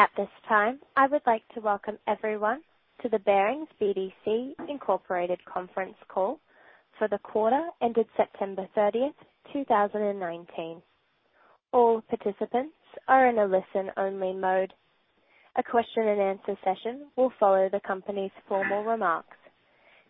At this time, I would like to welcome everyone to the Barings BDC Incorporated conference call for the quarter ended September 30th, 2019. All participants are in a listen-only mode. A question and answer session will follow the company's formal remarks.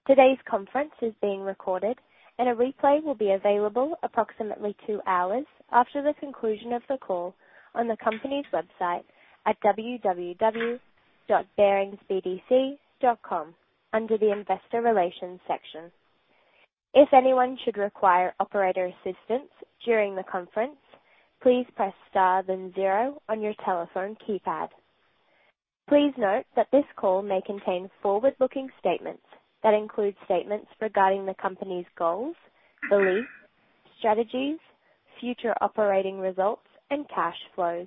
Today's conference is being recorded, and a replay will be available approximately two hours after the conclusion of the call on the company's website at www.baringsbdc.com under the investor relations section. If anyone should require operator assistance during the conference, please press star then zero on your telephone keypad. Please note that this call may contain forward-looking statements that include statements regarding the company's goals, beliefs, strategies, future operating results, and cash flows.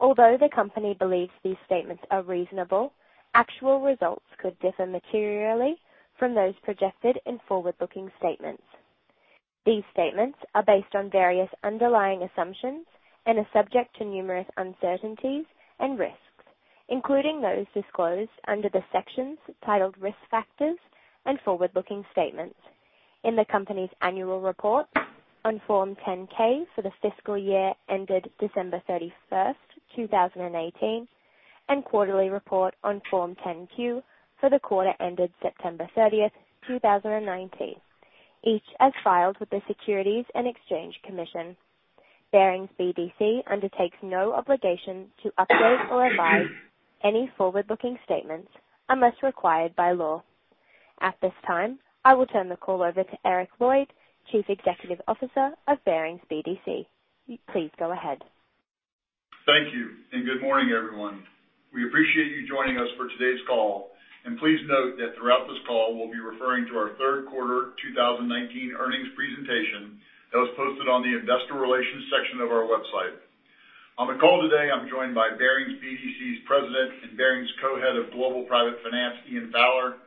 Although the company believes these statements are reasonable, actual results could differ materially from those projected in forward-looking statements. These statements are based on various underlying assumptions and are subject to numerous uncertainties and risks, including those disclosed under the sections titled Risk Factors and Forward-Looking Statements in the company's annual report on Form 10-K for the fiscal year ended December 31st, 2018, and quarterly report on Form 10-Q for the quarter ended September 30th, 2019, each as filed with the Securities and Exchange Commission. Barings BDC undertakes no obligation to update or revise any forward-looking statements unless required by law. At this time, I will turn the call over to Eric Lloyd, Chief Executive Officer of Barings BDC. Please go ahead. Thank you. Good morning, everyone. We appreciate you joining us for today's call, and please note that throughout this call, we'll be referring to our third quarter 2019 earnings presentation that was posted on the investor relations section of our website. On the call today, I'm joined by Barings BDC's President and Barings Co-Head of Global Private Finance, Ian Fowler;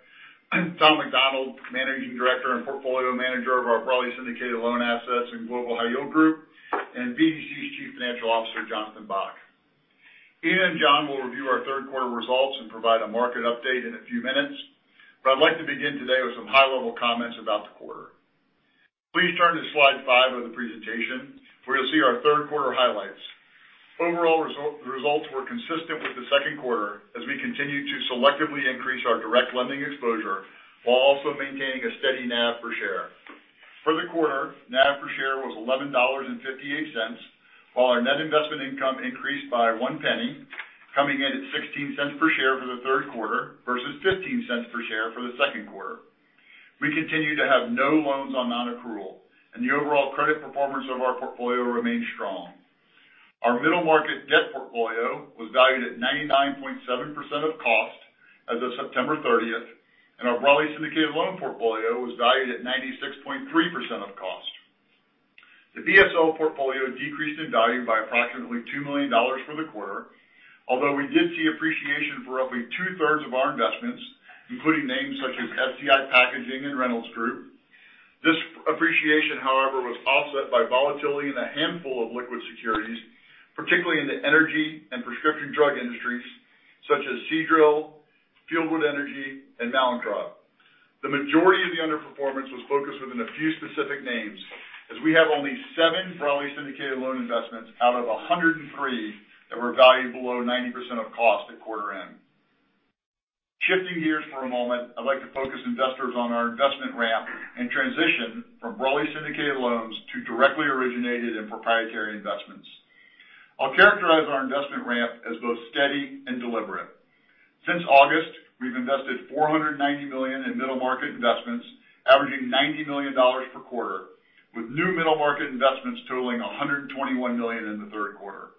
Tom McDonnell, Managing Director and Portfolio Manager of our broadly syndicated loan assets and Global High Yield Group; and BDC's Chief Financial Officer, Jonathan Bock. Ian and John will review our third quarter results and provide a market update in a few minutes, but I'd like to begin today with some high-level comments about the quarter. Please turn to slide five of the presentation, where you'll see our third quarter highlights. Overall results were consistent with the second quarter as we continued to selectively increase our direct lending exposure while also maintaining a steady NAV per share. For the quarter, NAV per share was $11.58, while our net investment income increased by $0.01, coming in at $0.16 per share for the third quarter versus $0.15 per share for the second quarter. We continue to have no loans on non-accrual, and the overall credit performance of our portfolio remains strong. Our middle market debt portfolio was valued at 99.7% of cost as of September 30th, and our broadly syndicated loan portfolio was valued at 96.3% of cost. The BSL portfolio decreased in value by approximately $2 million for the quarter. Although we did see appreciation for roughly two-thirds of our investments, including names such as FTI Packaging and Reynolds Group. This appreciation, however, was offset by volatility in a handful of liquid securities, particularly in the energy and prescription drug industries such as Seadrill, Fieldwood Energy, and Mallinckrodt. The majority of the underperformance was focused within a few specific names, as we have only seven broadly syndicated loan investments out of 103 that were valued below 90% of cost at quarter end. Shifting gears for a moment, I'd like to focus investors on our investment ramp and transition from broadly syndicated loans to directly originated and proprietary investments. I'll characterize our investment ramp as both steady and deliberate. Since August, we've invested $490 million in middle market investments, averaging $90 million per quarter, with new middle market investments totaling $121 million in the third quarter.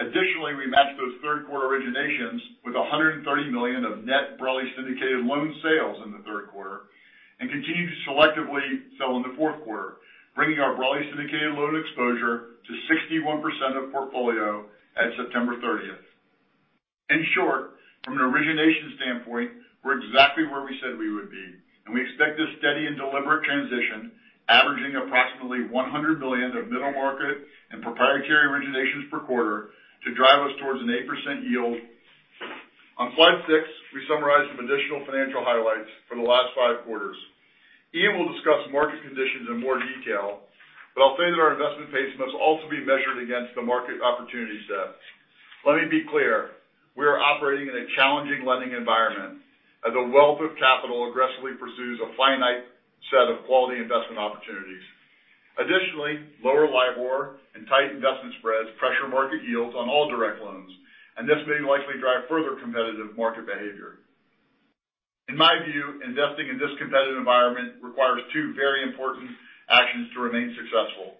Additionally, we matched those third quarter originations with $130 million of net broadly syndicated loan sales in the third quarter and continue to selectively sell in the fourth quarter, bringing our broadly syndicated loan exposure to 61% of portfolio at September 30th. In short, from an origination standpoint, we're exactly where we said we would be, and we expect this steady and deliberate transition, averaging approximately $100 million of middle market and proprietary originations per quarter to drive us towards an 8% yield. On slide six, we summarize some additional financial highlights for the last five quarters. Ian will discuss market conditions in more detail, I'll say that our investment pace must also be measured against the market opportunity set. Let me be clear. We are operating in a challenging lending environment as a wealth of capital aggressively pursues a finite set of quality investment opportunities. Additionally, lower LIBOR and tight investment spreads pressure market yields on all direct loans, and this may likely drive further competitive market behavior. In my view, investing in this competitive environment requires two very important actions to remain successful.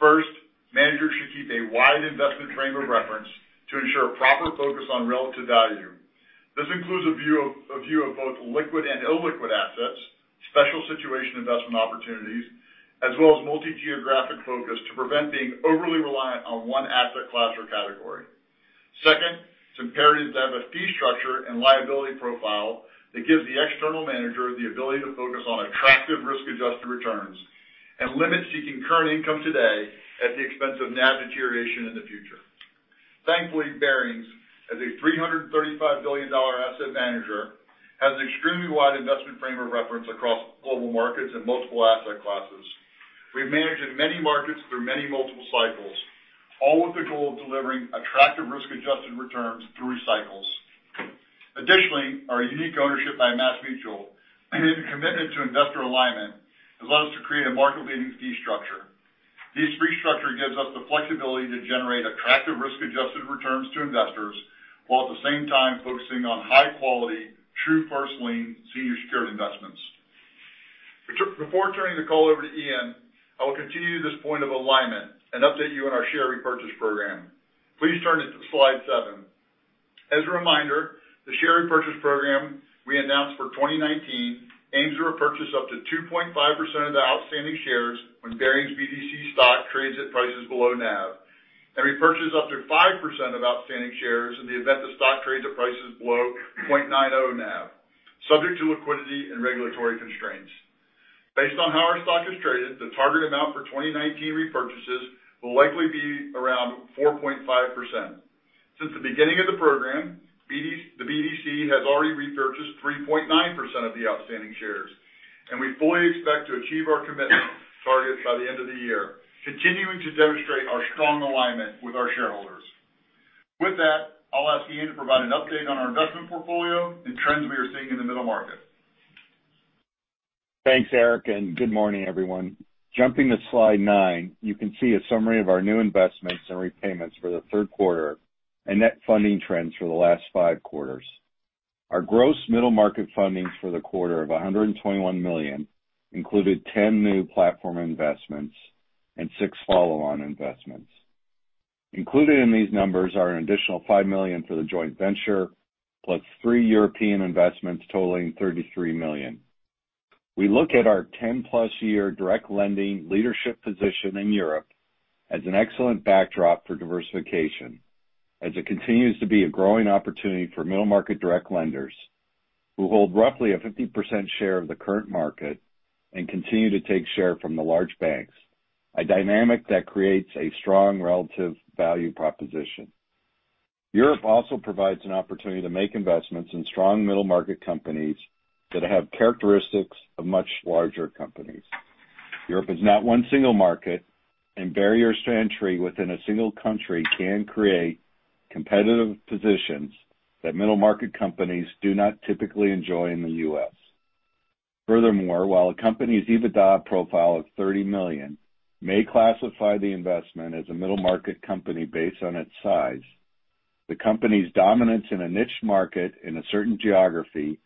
First, managers should keep a wide investment frame of reference to ensure proper focus on relative value. This includes a view of both liquid and illiquid assets, special situation investment opportunities, as well as multi-geographic focus to prevent being overly reliant on one asset class or category. Second, it's imperative to have a fee structure and liability profile that gives the external manager the ability to focus on attractive risk-adjusted returns. Limits seeking current income today at the expense of NAV deterioration in the future. Thankfully, Barings, as a $335 billion asset manager, has an extremely wide investment frame of reference across global markets and multiple asset classes. We've managed in many markets through many multiple cycles, all with the goal of delivering attractive risk-adjusted returns through cycles. Additionally, our unique ownership by MassMutual and commitment to investor alignment has allowed us to create a market-leading fee structure. This fee structure gives us the flexibility to generate attractive risk-adjusted returns to investors, while at the same time focusing on high-quality, true first lien senior secured investments. Before turning the call over to Ian, I will continue this point of alignment and update you on our share repurchase program. Please turn to slide seven. As a reminder, the share repurchase program we announced for 2019 aims to repurchase up to 2.5% of the outstanding shares when Barings BDC stock trades at prices below NAV, and repurchase up to 5% of outstanding shares in the event the stock trades at prices below 0.90 NAV, subject to liquidity and regulatory constraints. Based on how our stock has traded, the target amount for 2019 repurchases will likely be around 4.5%. Since the beginning of the program, the BDC has already repurchased 3.9% of the outstanding shares, and we fully expect to achieve our commitment targets by the end of the year, continuing to demonstrate our strong alignment with our shareholders. With that, I'll ask Ian to provide an update on our investment portfolio and trends we are seeing in the middle market. Thanks, Eric, and good morning, everyone. Jumping to slide nine, you can see a summary of our new investments and repayments for the third quarter and net funding trends for the last five quarters. Our gross middle market fundings for the quarter of $121 million included 10 new platform investments and six follow-on investments. Included in these numbers are an additional $5 million for the joint venture, plus three European investments totaling $33 million. We look at our 10-plus year direct lending leadership position in Europe as an excellent backdrop for diversification, as it continues to be a growing opportunity for middle market direct lenders who hold roughly a 50% share of the current market and continue to take share from the large banks, a dynamic that creates a strong relative value proposition. Europe also provides an opportunity to make investments in strong middle market companies that have characteristics of much larger companies. Europe is not one single market, and barriers to entry within a single country can create competitive positions that middle market companies do not typically enjoy in the U.S. Furthermore, while a company's EBITDA profile of $30 million may classify the investment as a middle market company based on its size, the company's dominance in a niche market in a certain geography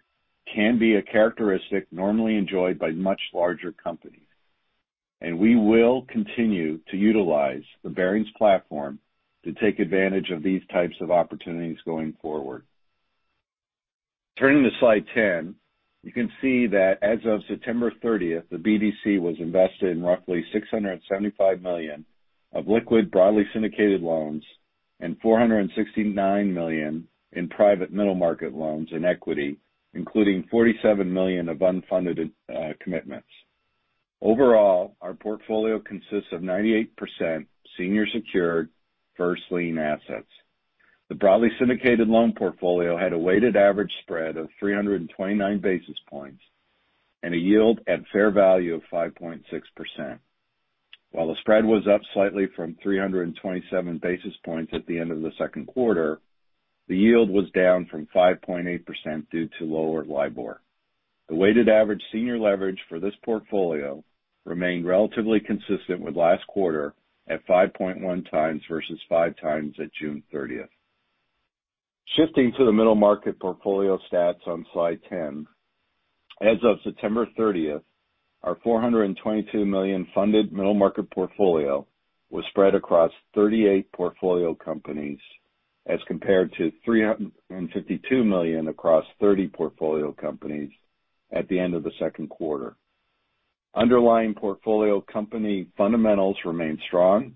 can be a characteristic normally enjoyed by much larger companies. We will continue to utilize the Barings platform to take advantage of these types of opportunities going forward. Turning to slide 10, you can see that as of September 30th, the BDC was invested in roughly $675 million of liquid broadly syndicated loans and $469 million in private middle market loans and equity, including $47 million of unfunded commitments. Overall, our portfolio consists of 98% senior secured first lien assets. The broadly syndicated loan portfolio had a weighted average spread of 329 basis points and a yield at fair value of 5.6%. While the spread was up slightly from 327 basis points at the end of the second quarter, the yield was down from 5.8% due to lower LIBOR. The weighted average senior leverage for this portfolio remained relatively consistent with last quarter, at 5.1x versus 5x at June 30th. Shifting to the middle market portfolio stats on slide 10. As of September 30th, our $422 million funded middle market portfolio was spread across 38 portfolio companies as compared to $352 million across 30 portfolio companies at the end of the second quarter. Underlying portfolio company fundamentals remained strong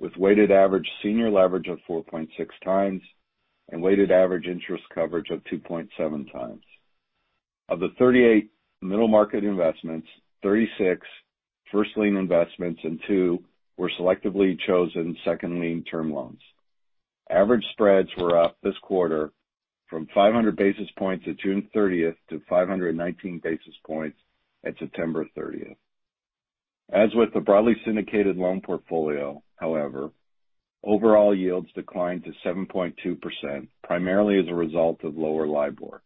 with weighted average senior leverage of 4.6 times and weighted average interest coverage of 2.7 times. Of the 38 middle market investments, 36 first lien investments and two were selectively chosen second lien term loans. Average spreads were up this quarter from 500 basis points at June 30th to 519 basis points at September 30th. As with the broadly syndicated loan portfolio, however, overall yields declined to 7.2%, primarily as a result of lower LIBOR.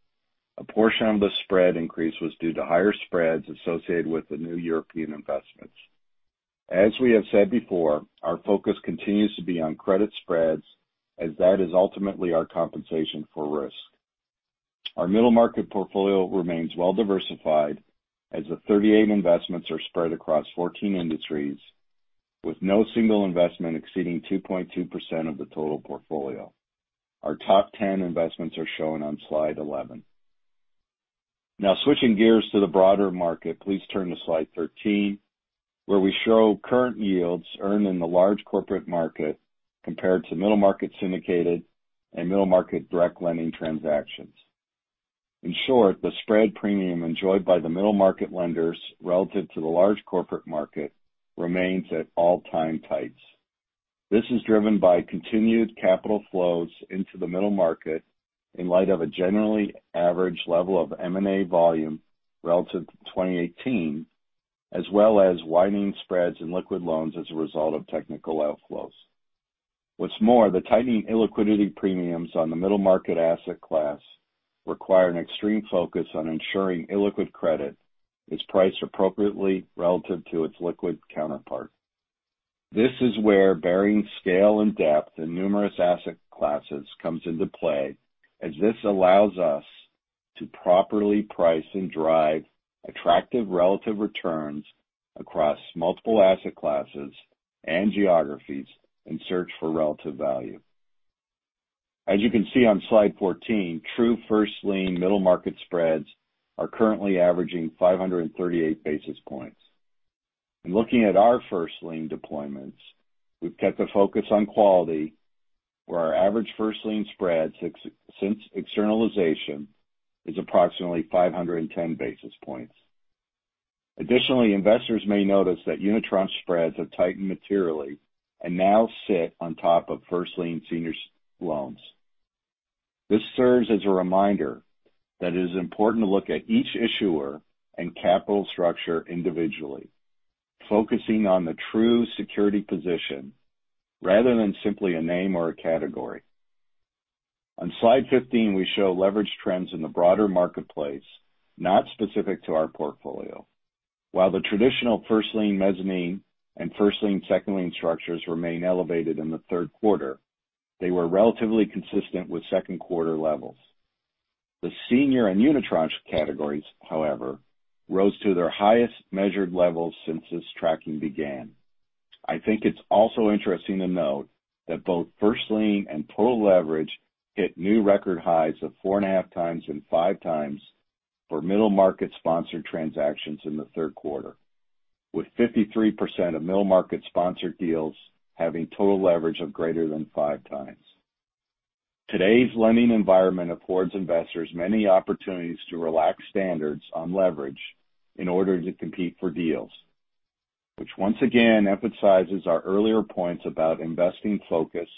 A portion of the spread increase was due to higher spreads associated with the new European investments. As we have said before, our focus continues to be on credit spreads as that is ultimately our compensation for risk. Our middle market portfolio remains well-diversified as the 38 investments are spread across 14 industries, with no single investment exceeding 2.2% of the total portfolio. Our top 10 investments are shown on slide 11. Switching gears to the broader market. Please turn to slide 13, where we show current yields earned in the large corporate market compared to middle market syndicated and middle market direct lending transactions. In short, the spread premium enjoyed by the middle market lenders relative to the large corporate market remains at all-time tights. This is driven by continued capital flows into the middle market in light of a generally average level of M&A volume relative to 2018, as well as widening spreads in liquid loans as a result of technical outflows. What's more, the tightening illiquidity premiums on the middle market asset class require an extreme focus on ensuring illiquid credit is priced appropriately relative to its liquid counterpart. This is where Barings' scale and depth in numerous asset classes comes into play, as this allows us to properly price and drive attractive relative returns across multiple asset classes and geographies in search for relative value. As you can see on slide 14, true first lien middle market spreads are currently averaging 538 basis points. In looking at our first lien deployments, we've kept the focus on quality, where our average first lien spreads since externalization is approximately 510 basis points. Additionally, investors may notice that unitranche spreads have tightened materially and now sit on top of first lien senior loans. This serves as a reminder that it is important to look at each issuer and capital structure individually, focusing on the true security position rather than simply a name or a category. On slide 15, we show leverage trends in the broader marketplace, not specific to our portfolio. While the traditional first lien mezzanine and first lien, second lien structures remained elevated in the third quarter, they were relatively consistent with second quarter levels. The senior and unitranche categories, however, rose to their highest measured levels since this tracking began. I think it's also interesting to note that both first lien and total leverage hit new record highs of 4.5x and 5x for middle-market sponsored transactions in the third quarter, with 53% of middle-market sponsored deals having total leverage of greater than 5x. Today's lending environment affords investors many opportunities to relax standards on leverage in order to compete for deals, which once again emphasizes our earlier points about investing focus,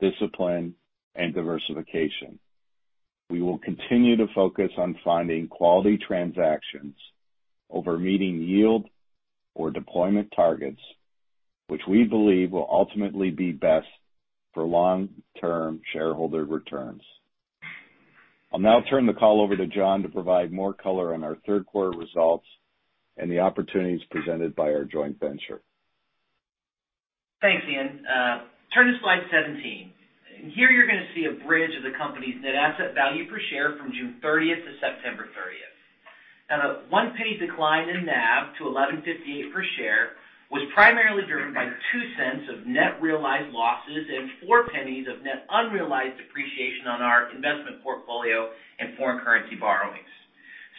discipline, and diversification. We will continue to focus on finding quality transactions over meeting yield or deployment targets, which we believe will ultimately be best for long-term shareholder returns. I'll now turn the call over to John to provide more color on our third quarter results and the opportunities presented by our joint venture. Thanks, Ian. Turn to slide 17. Here, you're going to see a bridge of the company's net asset value per share from June 30th to September 30th. The $0.01 decline in NAV to $11.58 per share was primarily driven by $0.02 of net realized losses and $0.04 of net unrealized appreciation on our investment portfolio in foreign currency borrowings.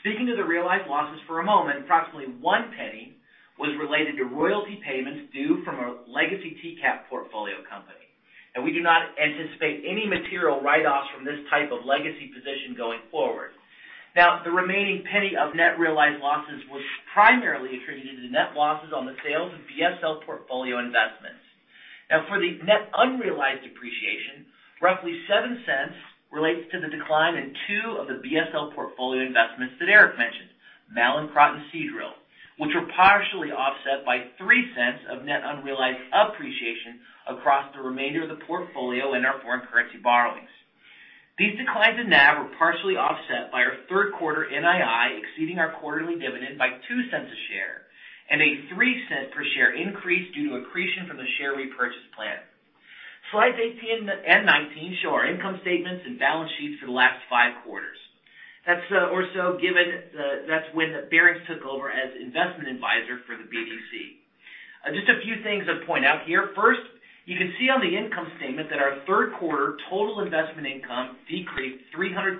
Speaking of the realized losses for a moment, approximately $0.01 was related to royalty payments due from a legacy TCAP portfolio company. We do not anticipate any material write-offs from this type of legacy position going forward. The remaining $0.01 of net realized losses was primarily attributed to net losses on the sales of BSL portfolio investments. For the net unrealized appreciation, roughly $0.07 relates to the decline in two of the BSL portfolio investments that Eric mentioned, Mallinckrodt and Seadrill, which were partially offset by $0.03 of net unrealized appreciation across the remainder of the portfolio in our foreign currency borrowings. These declines in NAV were partially offset by our third quarter NII exceeding our quarterly dividend by $0.02 a share, and a $0.03 per share increase due to accretion from the share repurchase plan. Slides 18 and 19 show our income statements and balance sheets for the last five quarters. That's when Barings took over as investment advisor for the BDC. Just a few things to point out here. First, you can see on the income statement that our third quarter total investment income decreased $300,000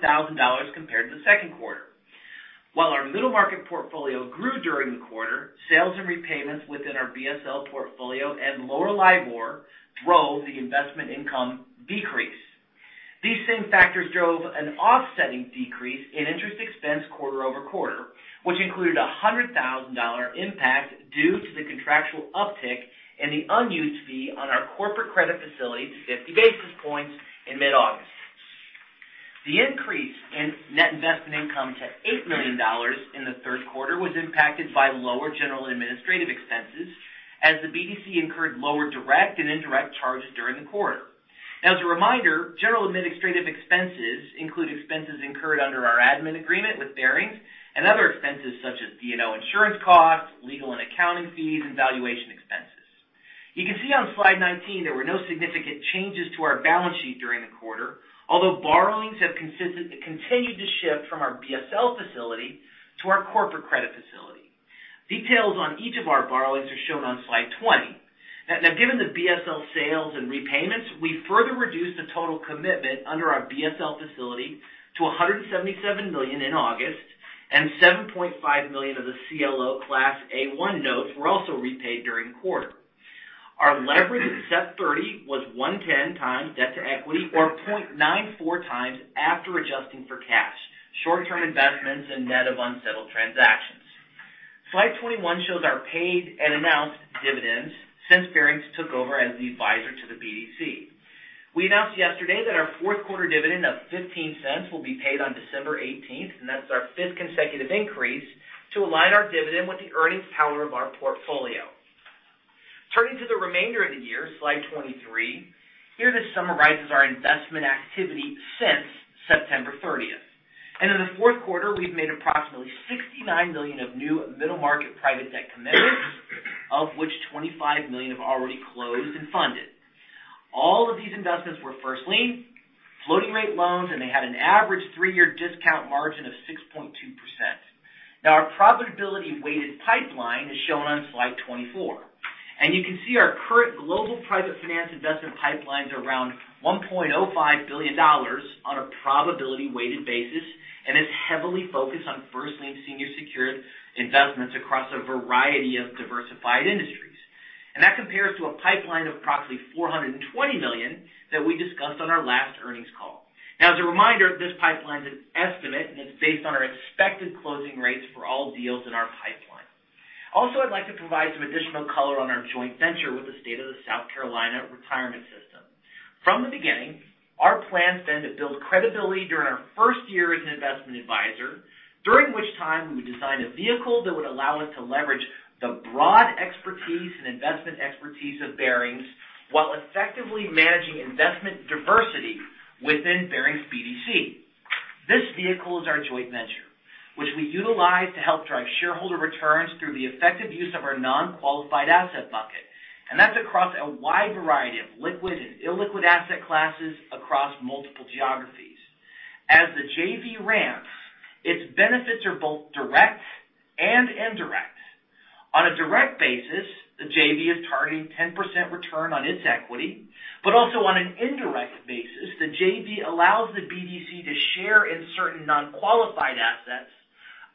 compared to the second quarter. While our middle market portfolio grew during the quarter, sales and repayments within our BSL portfolio and lower LIBOR drove the investment income decrease. These same factors drove an offsetting decrease in interest expense quarter-over-quarter, which included a $100,000 impact due to the contractual uptick in the unused fee on our corporate credit facility to 50 basis points in mid-August. The increase in net investment income to $8 million in the third quarter was impacted by lower general and administrative expenses as the BDC incurred lower direct and indirect charges during the quarter. As a reminder, general and administrative expenses include expenses incurred under our admin agreement with Barings and other expenses such as D&O insurance costs, legal and accounting fees, and valuation expenses. You can see on slide 19 there were no significant changes to our balance sheet during the quarter, although borrowings have continued to shift from our BSL facility to our corporate credit facility. Details on each of our borrowings are shown on slide 20. Given the BSL sales and repayments, we further reduced the total commitment under our BSL facility to $177 million in August, and $7.5 million of the CLO Class A-1 notes were also repaid during the quarter. Our leverage at September 30 was 1.10 times debt to equity or 0.94 times after adjusting for cash, short-term investments, and net of unsettled transactions. Slide 21 shows our paid and announced dividends since Barings took over as the advisor to the BDC. We announced yesterday that our fourth quarter dividend of $0.15 will be paid on December 18th. That's our fifth consecutive increase to align our dividend with the earnings power of our portfolio. Turning to the remainder of the year, slide 23. Here this summarizes our investment activity since September 30th. In the fourth quarter, we've made approximately $69 million of new middle market private debt commitments, of which $25 million have already closed and funded. All of these investments were first lien, floating rate loans, and they had an average three-year discount margin of 6.2%. Now our profitability-weighted pipeline is shown on slide 24. You can see our current Global Private Finance investment pipeline's around $1.05 billion on a probability weighted basis and is heavily focused on first lien senior secured investments across a variety of diversified industries. That compares to a pipeline of approximately $420 million that we discussed on our last earnings call. As a reminder, this pipeline's an estimate, and it's based on our expected closing rates for all deals in our pipeline. I'd like to provide some additional color on our joint venture with the South Carolina Retirement System. From the beginning, our plan's been to build credibility during our first year as an investment advisor, during which time we would design a vehicle that would allow us to leverage the broad expertise and investment expertise of Barings while effectively managing investment diversity within Barings BDC. This vehicle is our joint venture, which we utilize to help drive shareholder returns through the effective use of our non-qualified asset bucket. That's across a wide variety of liquid and illiquid asset classes across multiple geographies. As the JV ramps, its benefits are both direct and indirect. On a direct basis, the JV is targeting 10% return on its equity. Also on an indirect basis, the JV allows the BDC to share in certain non-qualified assets,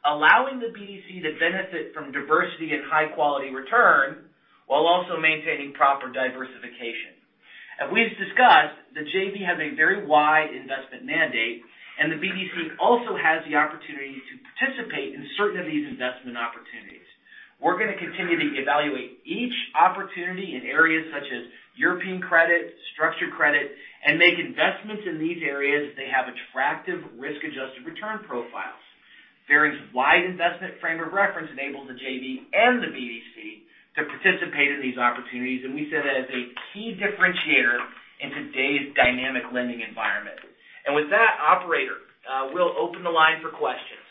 allowing the BDC to benefit from diversity and high-quality return while also maintaining proper diversification. As we've discussed, the JV has a very wide investment mandate, and the BDC also has the opportunity to participate in certain of these investment opportunities. We're going to continue to evaluate each opportunity in areas such as European credit, structured credit, and make investments in these areas if they have attractive risk-adjusted return profiles. Barings' wide investment frame of reference enables the JV and the BDC to participate in these opportunities, and we see that as a key differentiator in today's dynamic lending environment. With that, operator, we'll open the line for questions.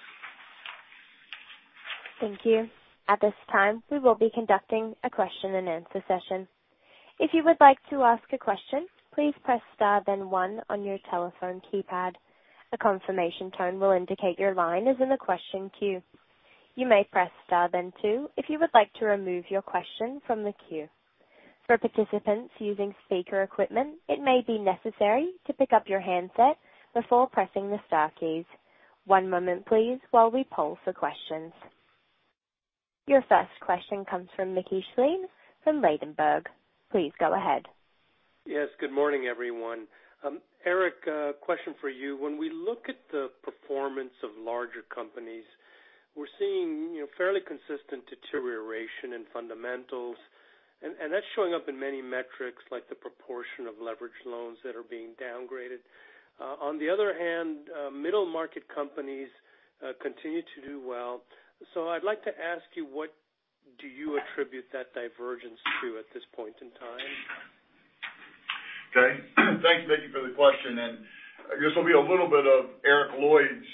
Thank you. At this time, we will be conducting a question-and-answer session. If you would like to ask a question, please press star then one on your telephone keypad. A confirmation tone will indicate your line is in the question queue. You may press star then two if you would like to remove your question from the queue. For participants using speaker equipment, it may be necessary to pick up your handset before pressing the star keys. One moment, please, while we poll for questions. Your first question comes from Mickey Schleien from Ladenburg. Please go ahead. Yes. Good morning, everyone. Eric, a question for you. When we look at the performance of larger companies, we're seeing fairly consistent deterioration in fundamentals, and that's showing up in many metrics like the proportion of leveraged loans that are being downgraded. On the other hand, middle market companies continue to do well. I'd like to ask you, what do you attribute that divergence to at this point in time? Okay. Thanks, Mickey, for the question. This will be a little bit of Eric Lloyd's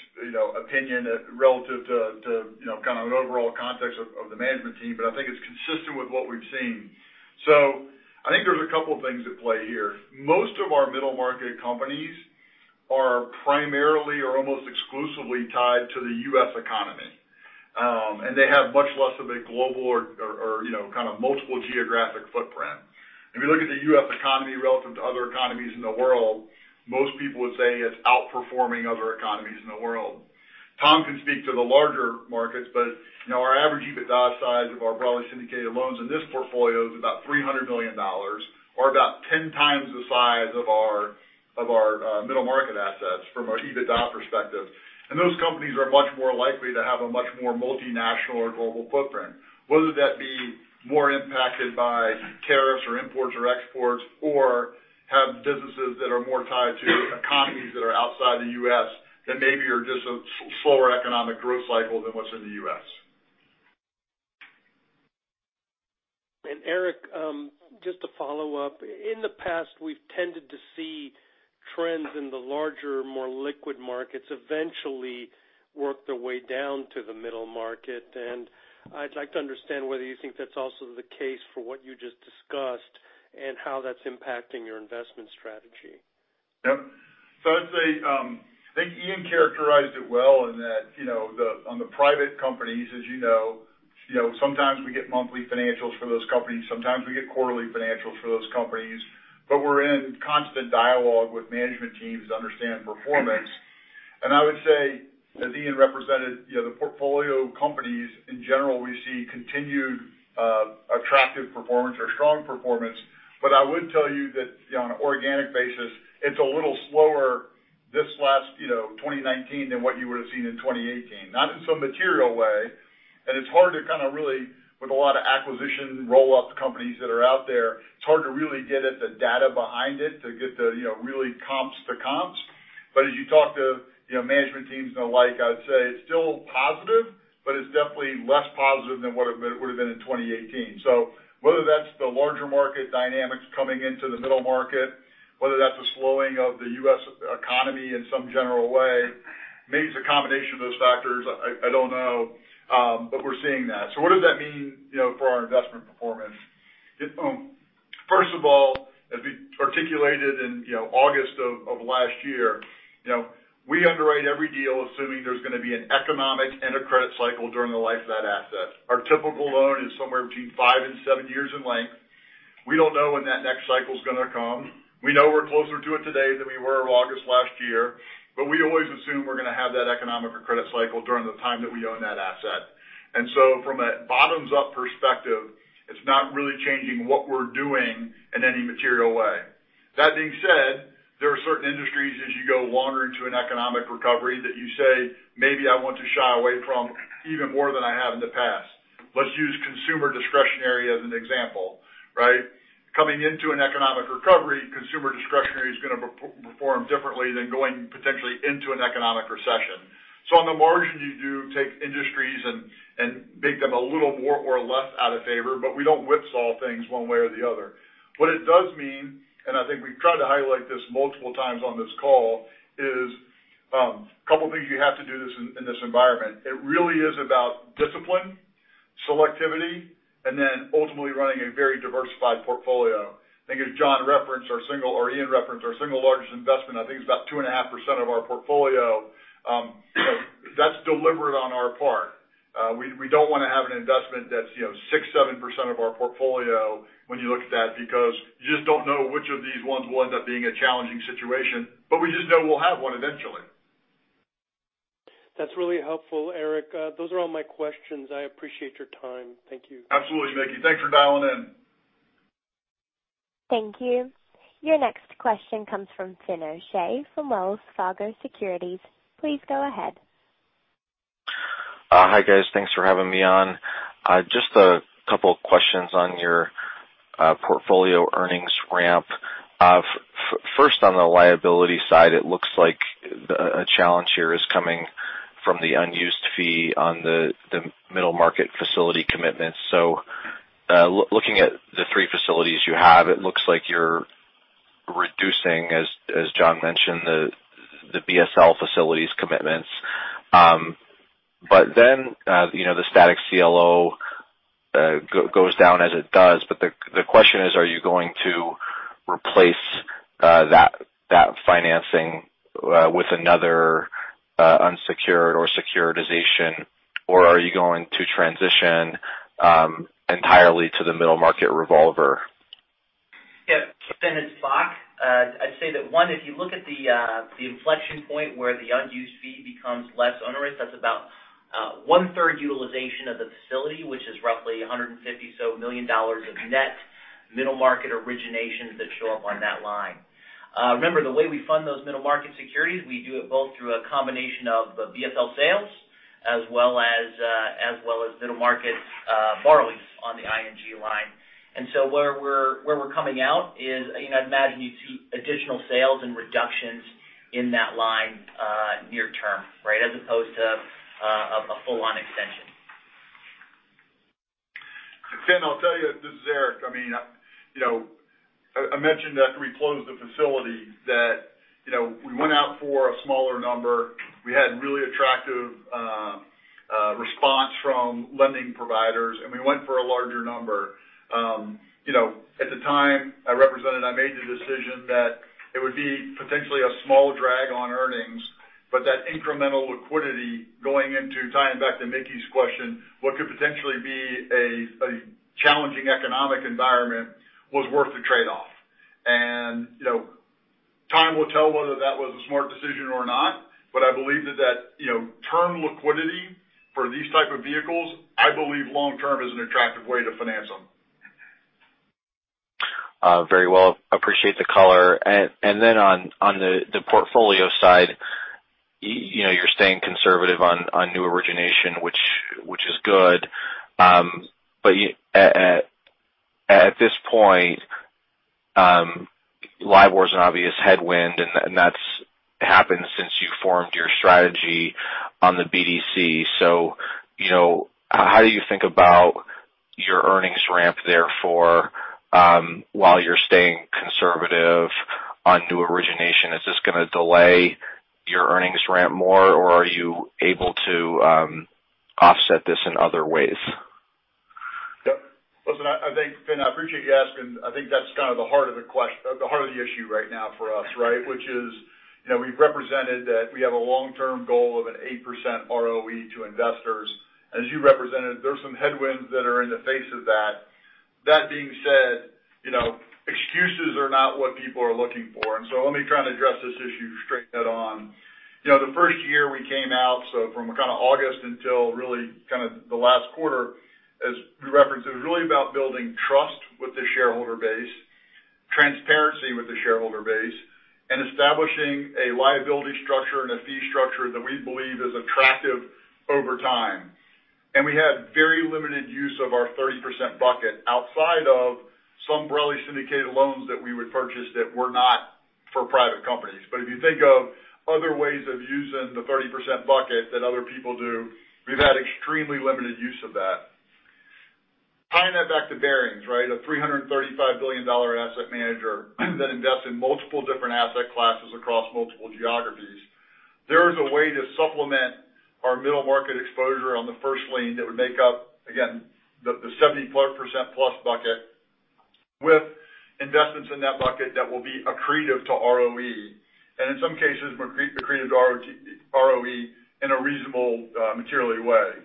opinion relative to kind of an overall context of the management team, but I think it's consistent with what we've seen. I think there's a couple things at play here. Most of our middle market companies are primarily or almost exclusively tied to the U.S. economy, and they have much less of a global or kind of multiple geographic footprint. If you look at the U.S. economy relative to other economies in the world, most people would say it's outperforming other economies in the world. Tom can speak to the larger markets, but our average EBITDA size of our broadly syndicated loans in this portfolio is about $300 million, or about 10 times the size of our middle market assets from an EBITDA perspective. Those companies are much more likely to have a much more multinational or global footprint, whether that be more impacted by tariffs or imports or exports, or have businesses that are more tied to economies that are outside the U.S. that maybe are just a slower economic growth cycle than what's in the U.S. Eric, just to follow up. In the past, we've tended to see trends in the larger, more liquid markets eventually work their way down to the middle market. I'd like to understand whether you think that's also the case for what you just discussed and how that's impacting your investment strategy. Yep. I'd say, I think Ian characterized it well in that on the private companies, as you know, sometimes we get monthly financials for those companies. Sometimes we get quarterly financials for those companies. We're in constant dialogue with management teams to understand performance. I would say that Ian represented the portfolio companies. In general, we see continued attractive performance or strong performance. I would tell you that on an organic basis, it's a little slower this last 2019 than what you would've seen in 2018. Not in some material way. It's hard to kind of really, with a lot of acquisition roll-up companies that are out there, it's hard to really get at the data behind it to get the really comps to comps. As you talk to management teams and the like, I'd say it's still positive, but it's definitely less positive than what it would've been in 2018. Whether that's the larger market dynamics coming into the middle market, whether that's a slowing of the U.S. economy in some general way, maybe it's a combination of those factors, I don't know. We're seeing that. What does that mean for our investment performance? First of all, as we articulated in August of last year, we underwrite every deal assuming there's going to be an economic and a credit cycle during the life of that asset. Our typical loan is somewhere between five and seven years in length. We don't know when that next cycle's going to come. We know we're closer to it today than we were August last year, but we always assume we're going to have that economic or credit cycle during the time that we own that asset. From a bottoms-up perspective, it's not really changing what we're doing in any material way. That being said, there are certain industries as you go wandering to an economic recovery that you say, "Maybe I want to shy away from even more than I have in the past." Let's use consumer discretionary as an example, right? Coming into an economic recovery, consumer discretionary is going to perform differently than going potentially into an economic recession. On the margin, you do take industries and make them a little more or less out of favor. We don't whipsaw things one way or the other. What it does mean, and I think we've tried to highlight this multiple times on this call, is a couple things you have to do in this environment. It really is about discipline, selectivity, and then ultimately running a very diversified portfolio. I think as John referenced or Ian referenced our single largest investment, I think it's about 2.5% of our portfolio. That's deliberate on our part. We don't want to have an investment that's 6%, 7% of our portfolio when you look at that because you just don't know which of these ones will end up being a challenging situation. We just know we'll have one eventually. That's really helpful, Eric. Those are all my questions. I appreciate your time. Thank you. Absolutely, Mickey. Thanks for dialing in. Thank you. Your next question comes from Finian O'Shea from Wells Fargo Securities. Please go ahead. Hi, guys. Thanks for having me on. Just a couple of questions on your portfolio earnings ramp. First, on the liability side, it looks like a challenge here is coming from the unused fee on the middle market facility commitments. Looking at the three facilities you have, it looks like you're reducing, as John mentioned, the BSL facilities commitments. The static CLO goes down as it does. The question is, are you going to replace that financing with another unsecured or securitization, or are you going to transition entirely to the middle market revolver? Fin, it's Bock. I'd say that one, if you look at the inflection point where the unused fee becomes less onerous, that's about one-third utilization of the facility, which is roughly $150 million of net middle market originations that show up on that line. Remember, the way we fund those middle market securities, we do it both through a combination of BSL sales as well as middle market borrowings on the ING line. Where we're coming out is, I'd imagine you'd see additional sales and reductions in that line near term, right? As opposed to a full-on extension. Fin, I'll tell you. This is Eric. I mentioned after we closed the facility that we went out for a smaller number. We had really attractive response from lending providers, and we went for a larger number. At the time I represented, I made the decision that it would be potentially a small drag on earnings, but that incremental liquidity going into, tying back to Mickey's question, what could potentially be a challenging economic environment was worth the trade-off. Time will tell whether that was a smart decision or not. I believe that that term liquidity for these type of vehicles, I believe long term is an attractive way to finance them. Very well. Appreciate the color. On the portfolio side, you're staying conservative on new origination which is good. At this point, LIBOR is an obvious headwind and that's happened since you formed your strategy on the BDC. How do you think about your earnings ramp therefore while you're staying conservative on new origination? Is this going to delay your earnings ramp more or are you able to offset this in other ways? Yep. Listen, I think, Fin, I appreciate you asking. I think that's kind of the heart of the issue right now for us, right? Which is, we've represented that we have a long-term goal of an 8% ROE to investors. As you represented, there's some headwinds that are in the face of that. That being said, you know, not what people are looking for. Let me try and address this issue straight head on. The first year we came out, so from August until really the last quarter, as we referenced, it was really about building trust with the shareholder base, transparency with the shareholder base, and establishing a liability structure and a fee structure that we believe is attractive over time. We had very limited use of our 30% bucket outside of some broadly syndicated loans that we would purchase that were not for private companies. If you think of other ways of using the 30% bucket that other people do, we've had extremely limited use of that. Tying that back to Barings, a $335 billion asset manager that invests in multiple different asset classes across multiple geographies. There is a way to supplement our middle market exposure on the first lien that would make up, again, the 70% plus bucket with investments in that bucket that will be accretive to ROE, and in some cases, accretive to ROE in a reasonable, material way.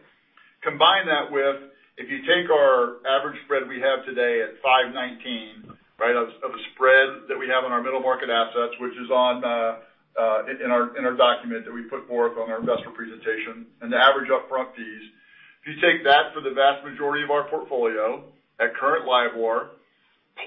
Combine that with, if you take our average spread we have today at 519. Of the spread that we have on our middle market assets, which is in our document that we put forth on our investor presentation, and the average upfront fees. If you take that for the vast majority of our portfolio at current LIBOR,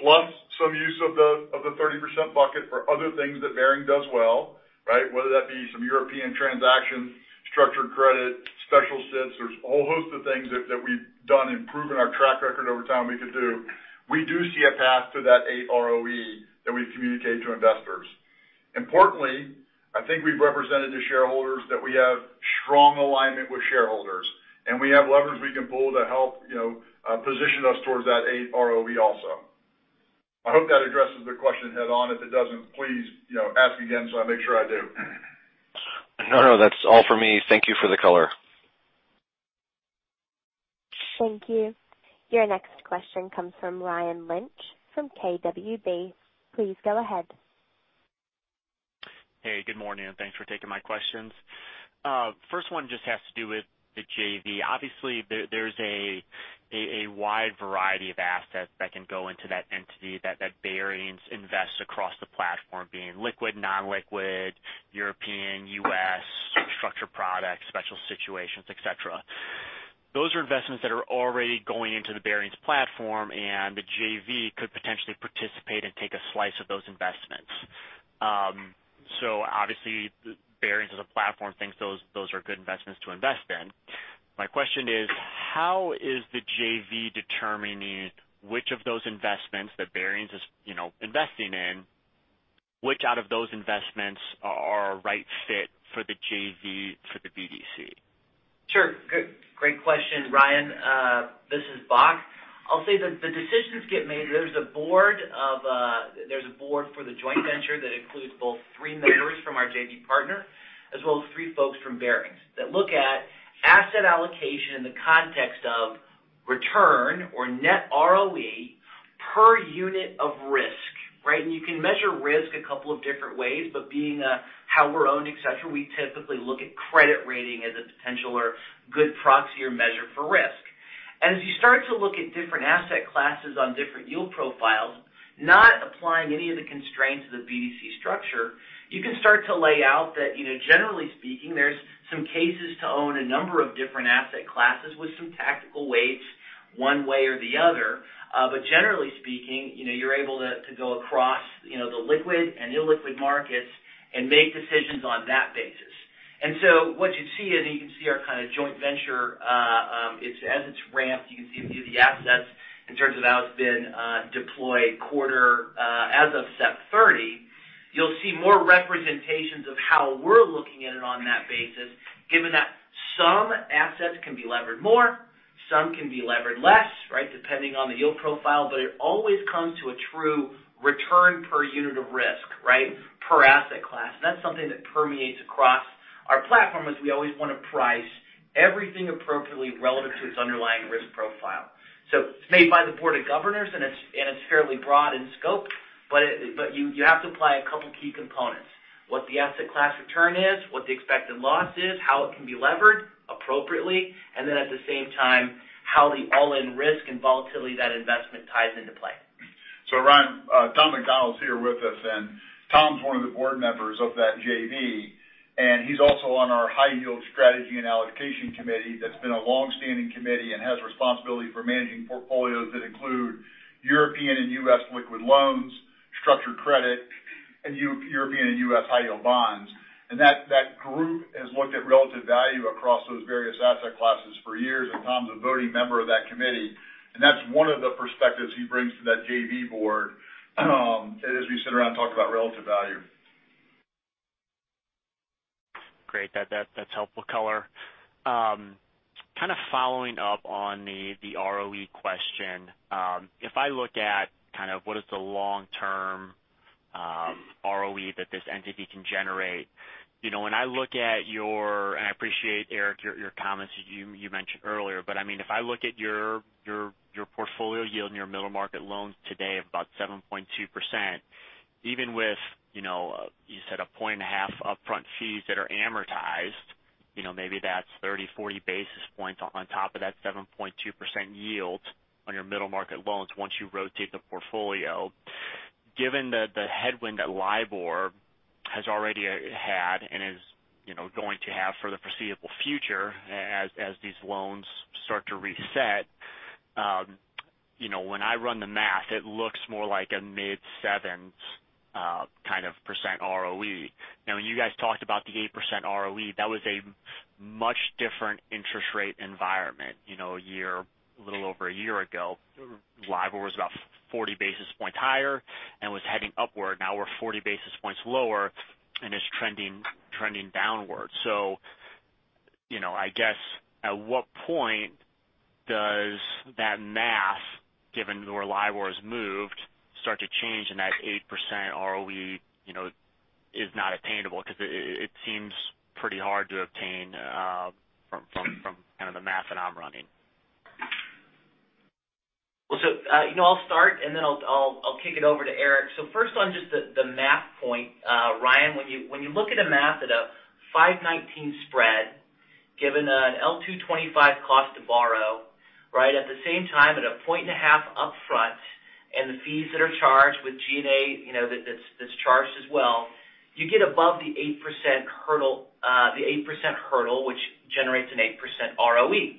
plus some use of the 30% bucket for other things that Barings does well, right? Whether that be some European transactions, structured credit, special sits. There's a whole host of things that we've done improving our track record over time we could do. We do see a path to that 8 ROE that we communicate to investors. Importantly, I think we've represented to shareholders that we have strong alignment with shareholders, and we have levers we can pull to help position us towards that 8 ROE also. I hope that addresses the question head on. If it doesn't, please ask again so I make sure I do. No, that's all for me. Thank you for the color. Thank you. Your next question comes from Ryan Lynch from KBW. Please go ahead. Hey, good morning, and thanks for taking my questions. First one just has to do with the JV. Obviously, there's a wide variety of assets that can go into that entity that Barings invests across the platform being liquid, non-liquid, European, U.S., structured products, special situations, et cetera. Those are investments that are already going into the Barings platform, and the JV could potentially participate and take a slice of those investments. Obviously, Barings as a platform thinks those are good investments to invest in. My question is, how is the JV determining which of those investments that Barings is investing in, which out of those investments are a right fit for the JV for the BDC? Sure. Good. Great question, Ryan. This is Bock. I'll say the decisions get made. There's a board for the joint venture that includes both three members from our JV partner, as well as three folks from Barings that look at asset allocation in the context of return or net ROE per unit of risk, right? You can measure risk a couple of different ways, but being how we're owned, et cetera, we typically look at credit rating as a potential or good proxy or measure for risk. As you start to look at different asset classes on different yield profiles, not applying any of the constraints of the BDC structure, you can start to lay out that, generally speaking, there's some cases to own a number of different asset classes with some tactical weights one way or the other. Generally speaking, you're able to go across the liquid and illiquid markets and make decisions on that basis. What you'd see is, you can see our kind of joint venture, as it's ramped, you can see the assets in terms of how it's been deployed quarter as of September 30. You'll see more representations of how we're looking at it on that basis, given that some assets can be levered more, some can be levered less, right, depending on the yield profile, but it always comes to a true return per unit of risk, right? Per asset class. That's something that permeates across our platform, is we always want to price everything appropriately relevant to its underlying risk profile. It's made by the Board of Governors, and it's fairly broad in scope, but you have to apply a couple key components. What the asset class return is, what the expected loss is, how it can be levered appropriately, and then at the same time, how the all-in risk and volatility of that investment ties into play. Ryan, Thomas McDonnell's here with us. Tom's one of the board members of that JV, and he's also on our High Yield Strategy and Allocation Committee that's been a longstanding committee and has responsibility for managing portfolios that include European and U.S. liquid loans, structured credit, and European and U.S. high yield bonds. That group has looked at relative value across those various asset classes for years. Tom's a voting member of that committee, and that's one of the perspectives he brings to that JV board as we sit around and talk about relative value. Great. That's helpful color. Kind of following up on the ROE question. If I look at what is the long-term ROE that this entity can generate, and I appreciate, Eric, your comments you mentioned earlier, but if I look at your portfolio yield and your middle market loans today of about 7.2%, even with, you said a point and a half upfront fees that are amortized. Maybe that's 30, 40 basis points on top of that 7.2% yield on your middle market loans once you rotate the portfolio. Given the headwind that LIBOR has already had and is going to have for the foreseeable future, as these loans start to reset. When I run the math, it looks more like a mid-sevens kind of percent ROE. Now, when you guys talked about the 8% ROE, that was a much different interest rate environment. A little over a year ago, LIBOR was about 40 basis points higher and was heading upward. Now we're 40 basis points lower, and it's trending downward. I guess, at what point does that math, given where LIBOR has moved, start to change and that 8% ROE is not attainable? It seems pretty hard to obtain from kind of the math that I'm running. I'll start, and then I'll kick it over to Eric. First on just the math point. Ryan, when you look at a math at a 519 spread, given an L225 cost to borrow. At the same time, at a point and a half upfront and the fees that are charged with G&A that's charged as well. You get above the 8% hurdle which generates an 8% ROE.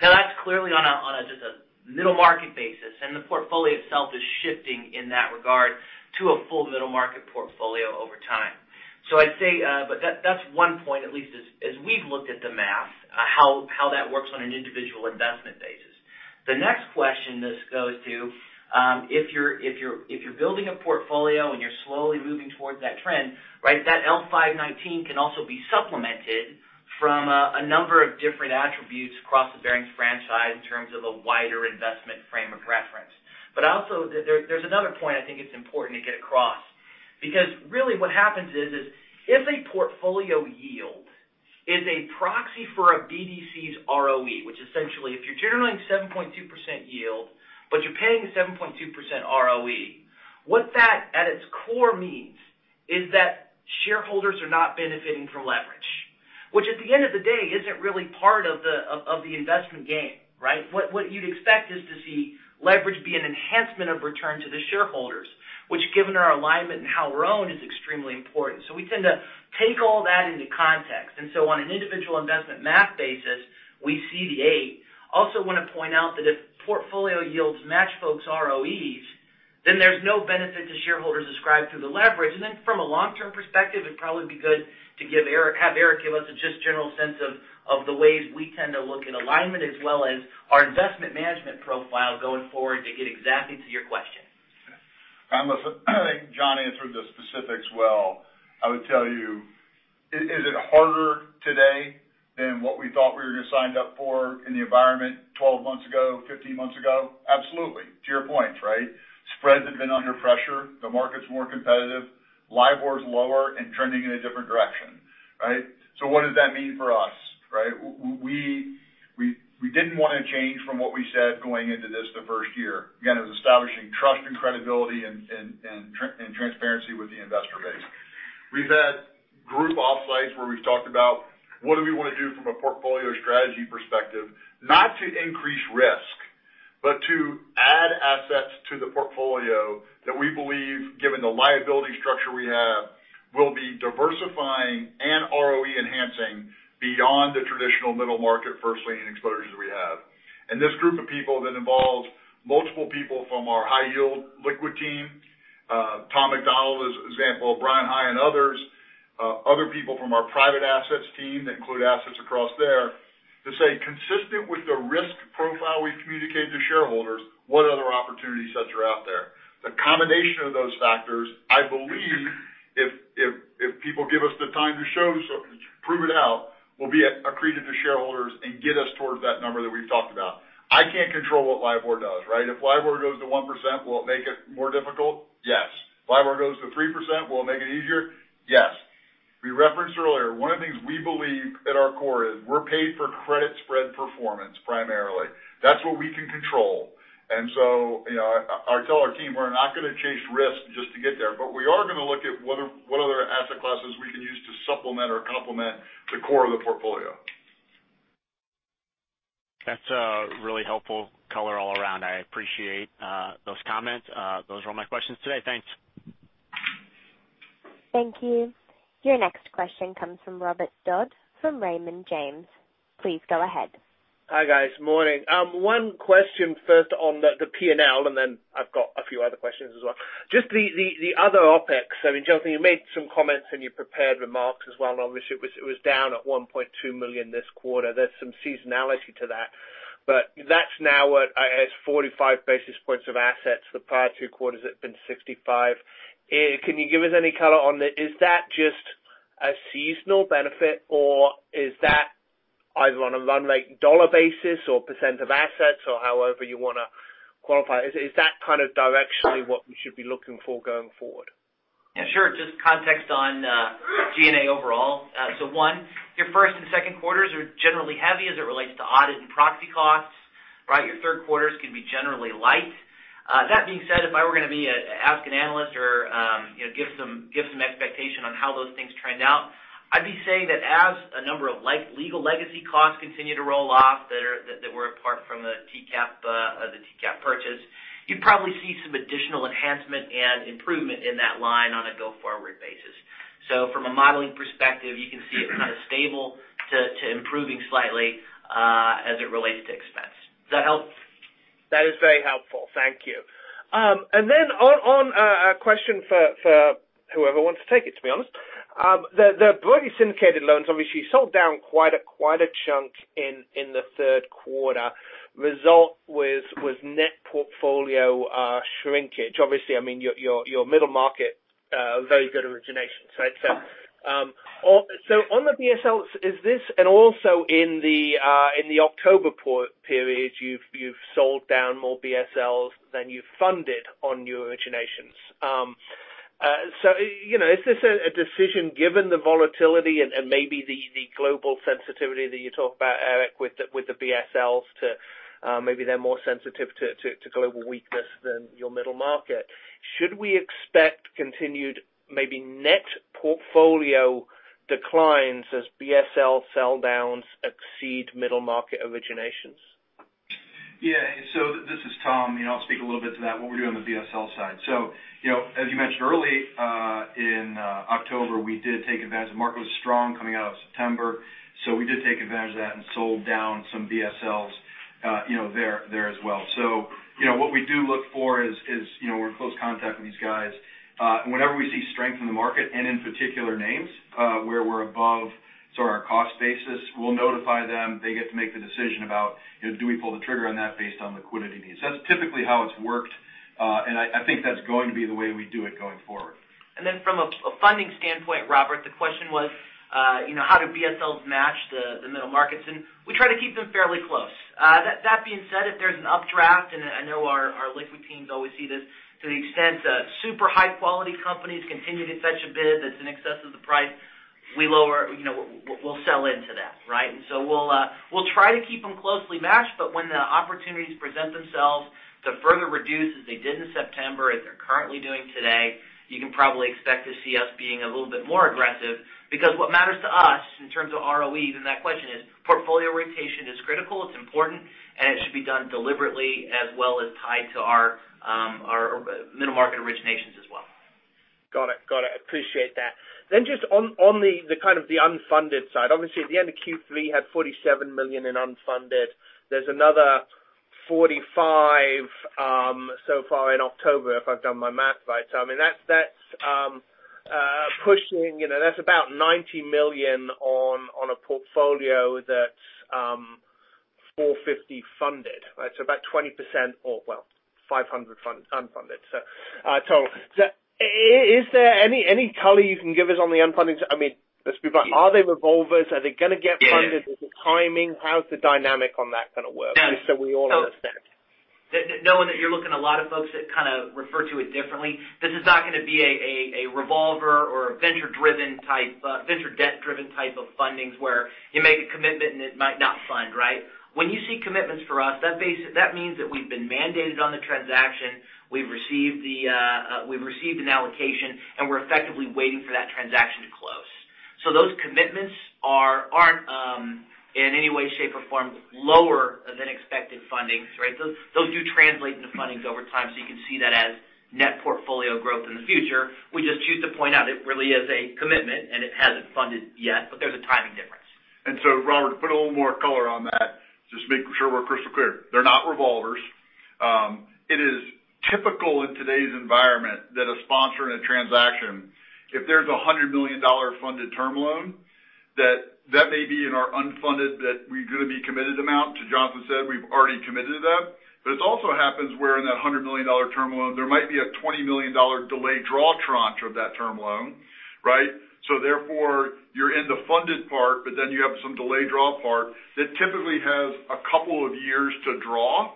That's clearly on just a middle market basis, and the portfolio itself is shifting in that regard to a full middle market portfolio over time. That's one point, at least as we've looked at the math, how that works on an individual investment basis. The next question this goes to, if you're building a portfolio and you're slowly moving towards that trend. That L519 can also be supplemented from a number of different attributes across the Barings franchise in terms of a wider investment frame of reference. Also there's another point I think it's important to get across. Really what happens is, if a portfolio yield is a proxy for a BDC's ROE. Which essentially if you're generating 7.2% yield but you're paying a 7.2% ROE. What that at its core means is that shareholders are not benefiting from leverage. Which at the end of the day isn't really part of the investment game. What you'd expect is to see leverage be an enhancement of return to the shareholders, which given our alignment and how we're owned is extremely important. We tend to take all that into context. On an individual investment math basis, we see the 8. Want to point out that if portfolio yields match folks' ROEs, then there's no benefit to shareholders described through the leverage. From a long-term perspective, it'd probably be good to have Eric give us a just general sense of the ways we tend to look at alignment as well as our investment management profile going forward to get exactly to your question. I think John answered the specifics well. I would tell you, is it harder today than what we thought we were going to sign up for in the environment 12 months ago, 15 months ago? Absolutely. To your point. Spreads have been under pressure. The market's more competitive. LIBOR is lower and trending in a different direction. What does that mean for us? We didn't want to change from what we said going into this the first year. Again, it was establishing trust and credibility and transparency with the investor base. We've had group off-sites where we've talked about what do we want to do from a portfolio strategy perspective, not to increase risk, but to add assets to the portfolio that we believe, given the liability structure we have, will be diversifying and ROE enhancing beyond the traditional middle market first lien exposures we have. This group of people that involves multiple people from our high yield liquid team. Thomas McDonnell is an example, Bryan High and others. Other people from our private assets team that include assets across there to say consistent with the risk profile we've communicated to shareholders what other opportunity sets are out there. The combination of those factors, I believe if people give us the time to show, prove it out, will be accreted to shareholders and get us towards that number that we've talked about. I can't control what LIBOR does. If LIBOR goes to 1%, will it make it more difficult? Yes. LIBOR goes to 3%, will it make it easier? Yes. We referenced earlier, one of the things we believe at our core is we're paid for credit spread performance primarily. That's what we can control. I tell our team we're not going to chase risk just to get there, but we are going to look at what other asset classes we can use to supplement or complement the core of the portfolio. That's a really helpful color all around. I appreciate those comments. Those are all my questions today. Thanks. Thank you. Your next question comes from Robert Dodd from Raymond James. Please go ahead. Hi, guys. Morning. One question first on the P&L, and then I've got a few other questions as well. Just the other OPEX. I mean, Jonathan Bock, you made some comments in your prepared remarks as well on which it was down at $1.2 million this quarter. There's some seasonality to that. That's now what is 45 basis points of assets. The prior two quarters had been 65. Can you give us any color on it? Is that just a seasonal benefit or is that either on a run like dollar basis or % of assets or however you want to qualify it? Is that kind of directionally what we should be looking for going forward? Yeah, sure. Just context on G&A overall. One, your first and second quarters are generally heavy as it relates to audit and proxy costs. Right. Your third quarters can be generally light. That being said, if I were going to be ask an analyst or give some expectation on how those things trend out, I'd be saying that as a number of legal legacy costs continue to roll off that were a part from the TCAP purchase, you'd probably see some additional enhancement and improvement in that line on a go-forward basis. From a modeling perspective, you can see it kind of stable to improving slightly as it relates to expense. Does that help? That is very helpful. Thank you. Then on a question for whoever wants to take it, to be honest. The broadly syndicated loans, obviously, sold down quite a chunk in the third quarter. Result was net portfolio shrinkage. Obviously, I mean, your middle market, very good origination. On the BSLs, and also in the October period, you've sold down more BSLs than you've funded on new originations. Is this a decision given the volatility and maybe the global sensitivity that you talk about, Eric, with the BSLs to maybe they're more sensitive to global weakness than your middle market? Should we expect continued maybe net portfolio declines as BSL sell downs exceed middle market originations? Yeah. This is Tom. I'll speak a little bit to that, what we're doing on the BSL side. As you mentioned early in October, we did take advantage. The market was strong coming out of September, so we did take advantage of that and sold down some BSLs there as well. What we do look for is we're in close contact with these guys. Whenever we see strength in the market and in particular names where we're above our cost basis. We'll notify them. They get to make the decision about, do we pull the trigger on that based on liquidity needs? That's typically how it's worked. I think that's going to be the way we do it going forward. Then from a funding standpoint, Robert, the question was how do BSLs match the middle markets? We try to keep them fairly close. That being said, if there's an updraft, and I know our liquid teams always see this to the extent that super high-quality companies continue to fetch a bid that's in excess of the price. We'll sell into that. Right. So we'll try to keep them closely matched, but when the opportunities present themselves to further reduce as they did in September, as they're currently doing today, you can probably expect to see us being a little bit more aggressive. What matters to us in terms of ROE, and that question is portfolio rotation is critical, it's important, and it should be done deliberately as well as tied to our middle market originations as well. Got it. Appreciate that. Just on the kind of the unfunded side. Obviously, at the end of Q3 you had $47 million in unfunded. There's another $45 million so far in October, if I've done my math right. That's about $90 million on a portfolio that's $450 million funded. Right? About 20% or well, $500 million unfunded. Tom, is there any color you can give us on the unfunded? Let's be blunt. Are they revolvers? Are they going to get funded? Is it timing? How's the dynamic on that going to work, just so we all understand? Knowing that you're looking at a lot of folks that kind of refer to it differently. This is not going to be a revolver or venture debt-driven type of fundings where you make a commitment and it might not fund, right? When you see commitments for us, that means that we've been mandated on the transaction, we've received an allocation, and we're effectively waiting for that transaction to close. Those commitments aren't in any way, shape, or form lower than expected fundings, right? Those do translate into fundings over time. You can see that as net portfolio growth in the future. We just choose to point out it really is a commitment and it hasn't funded yet, but there's a timing difference. Robert, to put a little more color on that, just making sure we're crystal clear. They're not revolvers. It is typical in today's environment that a sponsor in a transaction, if there's a $100 million funded term loan, that that may be in our unfunded that we're going to be committed amount. To Jonathan said, we've already committed to them. It also happens where in that $100 million term loan, there might be a $20 million delay draw tranche of that term loan, right? Therefore, you're in the funded part, then you have some delay draw part that typically has a couple of years to draw.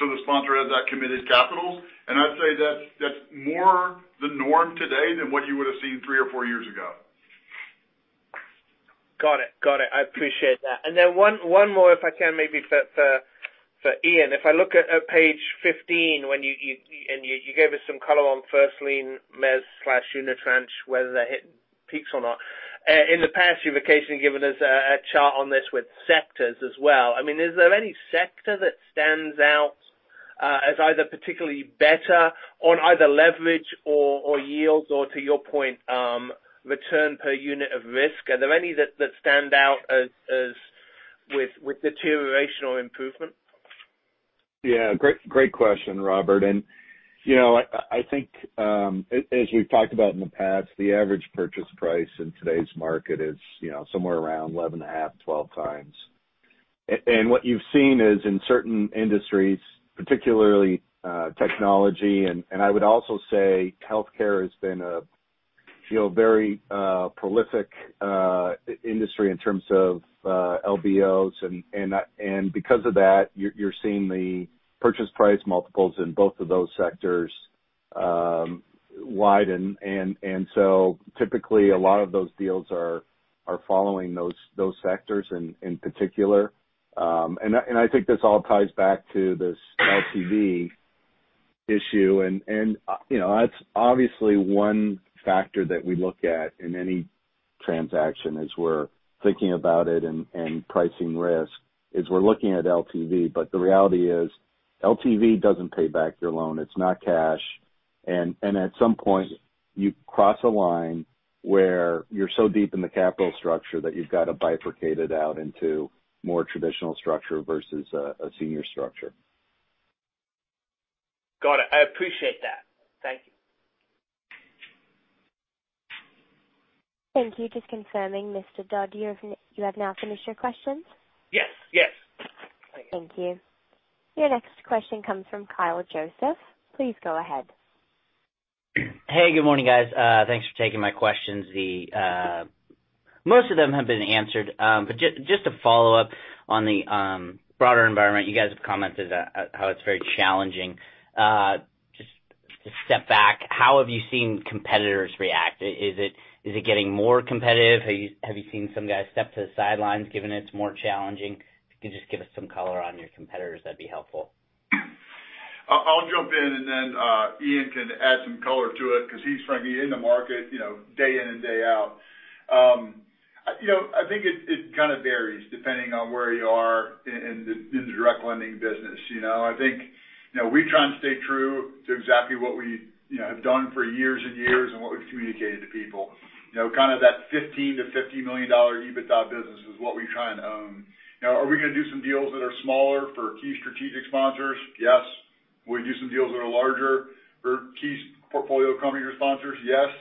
The sponsor has that committed capital. I'd say that's more the norm today than what you would've seen three or four years ago. Got it. I appreciate that. One more, if I can maybe for Ian. If I look at page 15 and you gave us some color on first lien mezz/unitranche, whether they're hitting peaks or not. In the past, you've occasionally given us a chart on this with sectors as well. Is there any sector that stands out as either particularly better on either leverage or yields or to your point, return per unit of risk? Are there any that stand out with deterioration or improvement? Yeah. Great question, Robert. I think as we've talked about in the past, the average purchase price in today's market is somewhere around 11.5, 12 times. What you've seen is in certain industries, particularly technology, and I would also say healthcare has been a very prolific industry in terms of LBOs. Because of that, you're seeing the purchase price multiples in both of those sectors widen. Typically a lot of those deals are following those sectors in particular. I think this all ties back to this LTV issue. That's obviously one factor that we look at in any transaction as we're thinking about it and pricing risk is we're looking at LTV, but the reality is LTV doesn't pay back your loan. It's not cash. At some point, you cross a line where you're so deep in the capital structure that you've got to bifurcate it out into more traditional structure versus a senior structure. Got it. I appreciate that. Thank you. Thank you. Just confirming, Mr. Dodd, you have now finished your questions? Yes. Thank you. Your next question comes from Kyle Joseph. Please go ahead. Hey, good morning, guys. Thanks for taking my questions. Most of them have been answered. Just to follow up on the broader environment, you guys have commented how it's very challenging. Just to step back, how have you seen competitors react? Is it getting more competitive? Have you seen some guys step to the sidelines, given it's more challenging? If you could just give us some color on your competitors, that'd be helpful. I'll jump in and then Ian can add some color to it because he's frankly in the market day in and day out. I think it kind of varies depending on where you are in the direct lending business. I think we try and stay true to exactly what we have done for years and years and what we've communicated to people. Kind of that $15 million-$50 million EBITDA business is what we try and own. Now, are we going to do some deals that are smaller for key strategic sponsors? Yes. Will we do some deals that are larger for key portfolio company responses? Yes.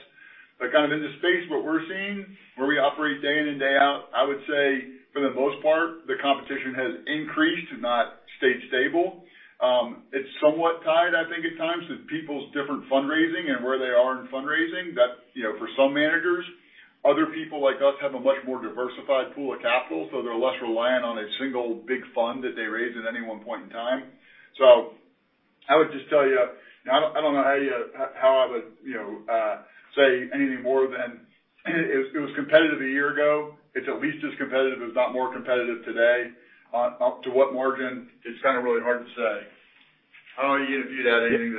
Kind of in the space what we're seeing, where we operate day in and day out, I would say for the most part, the competition has increased, if not stayed stable. It's somewhat tied, I think, at times, to people's different fundraising and where they are in fundraising. That, for some managers. Other people like us have a much more diversified pool of capital, so they're less reliant on a single big fund that they raise at any one point in time. I would just tell you, I don't know how I would say anything more than it was competitive a year ago. It's at least as competitive, if not more competitive today. Up to what margin? It's kind of really hard to say. I don't know, Ian, if you'd add anything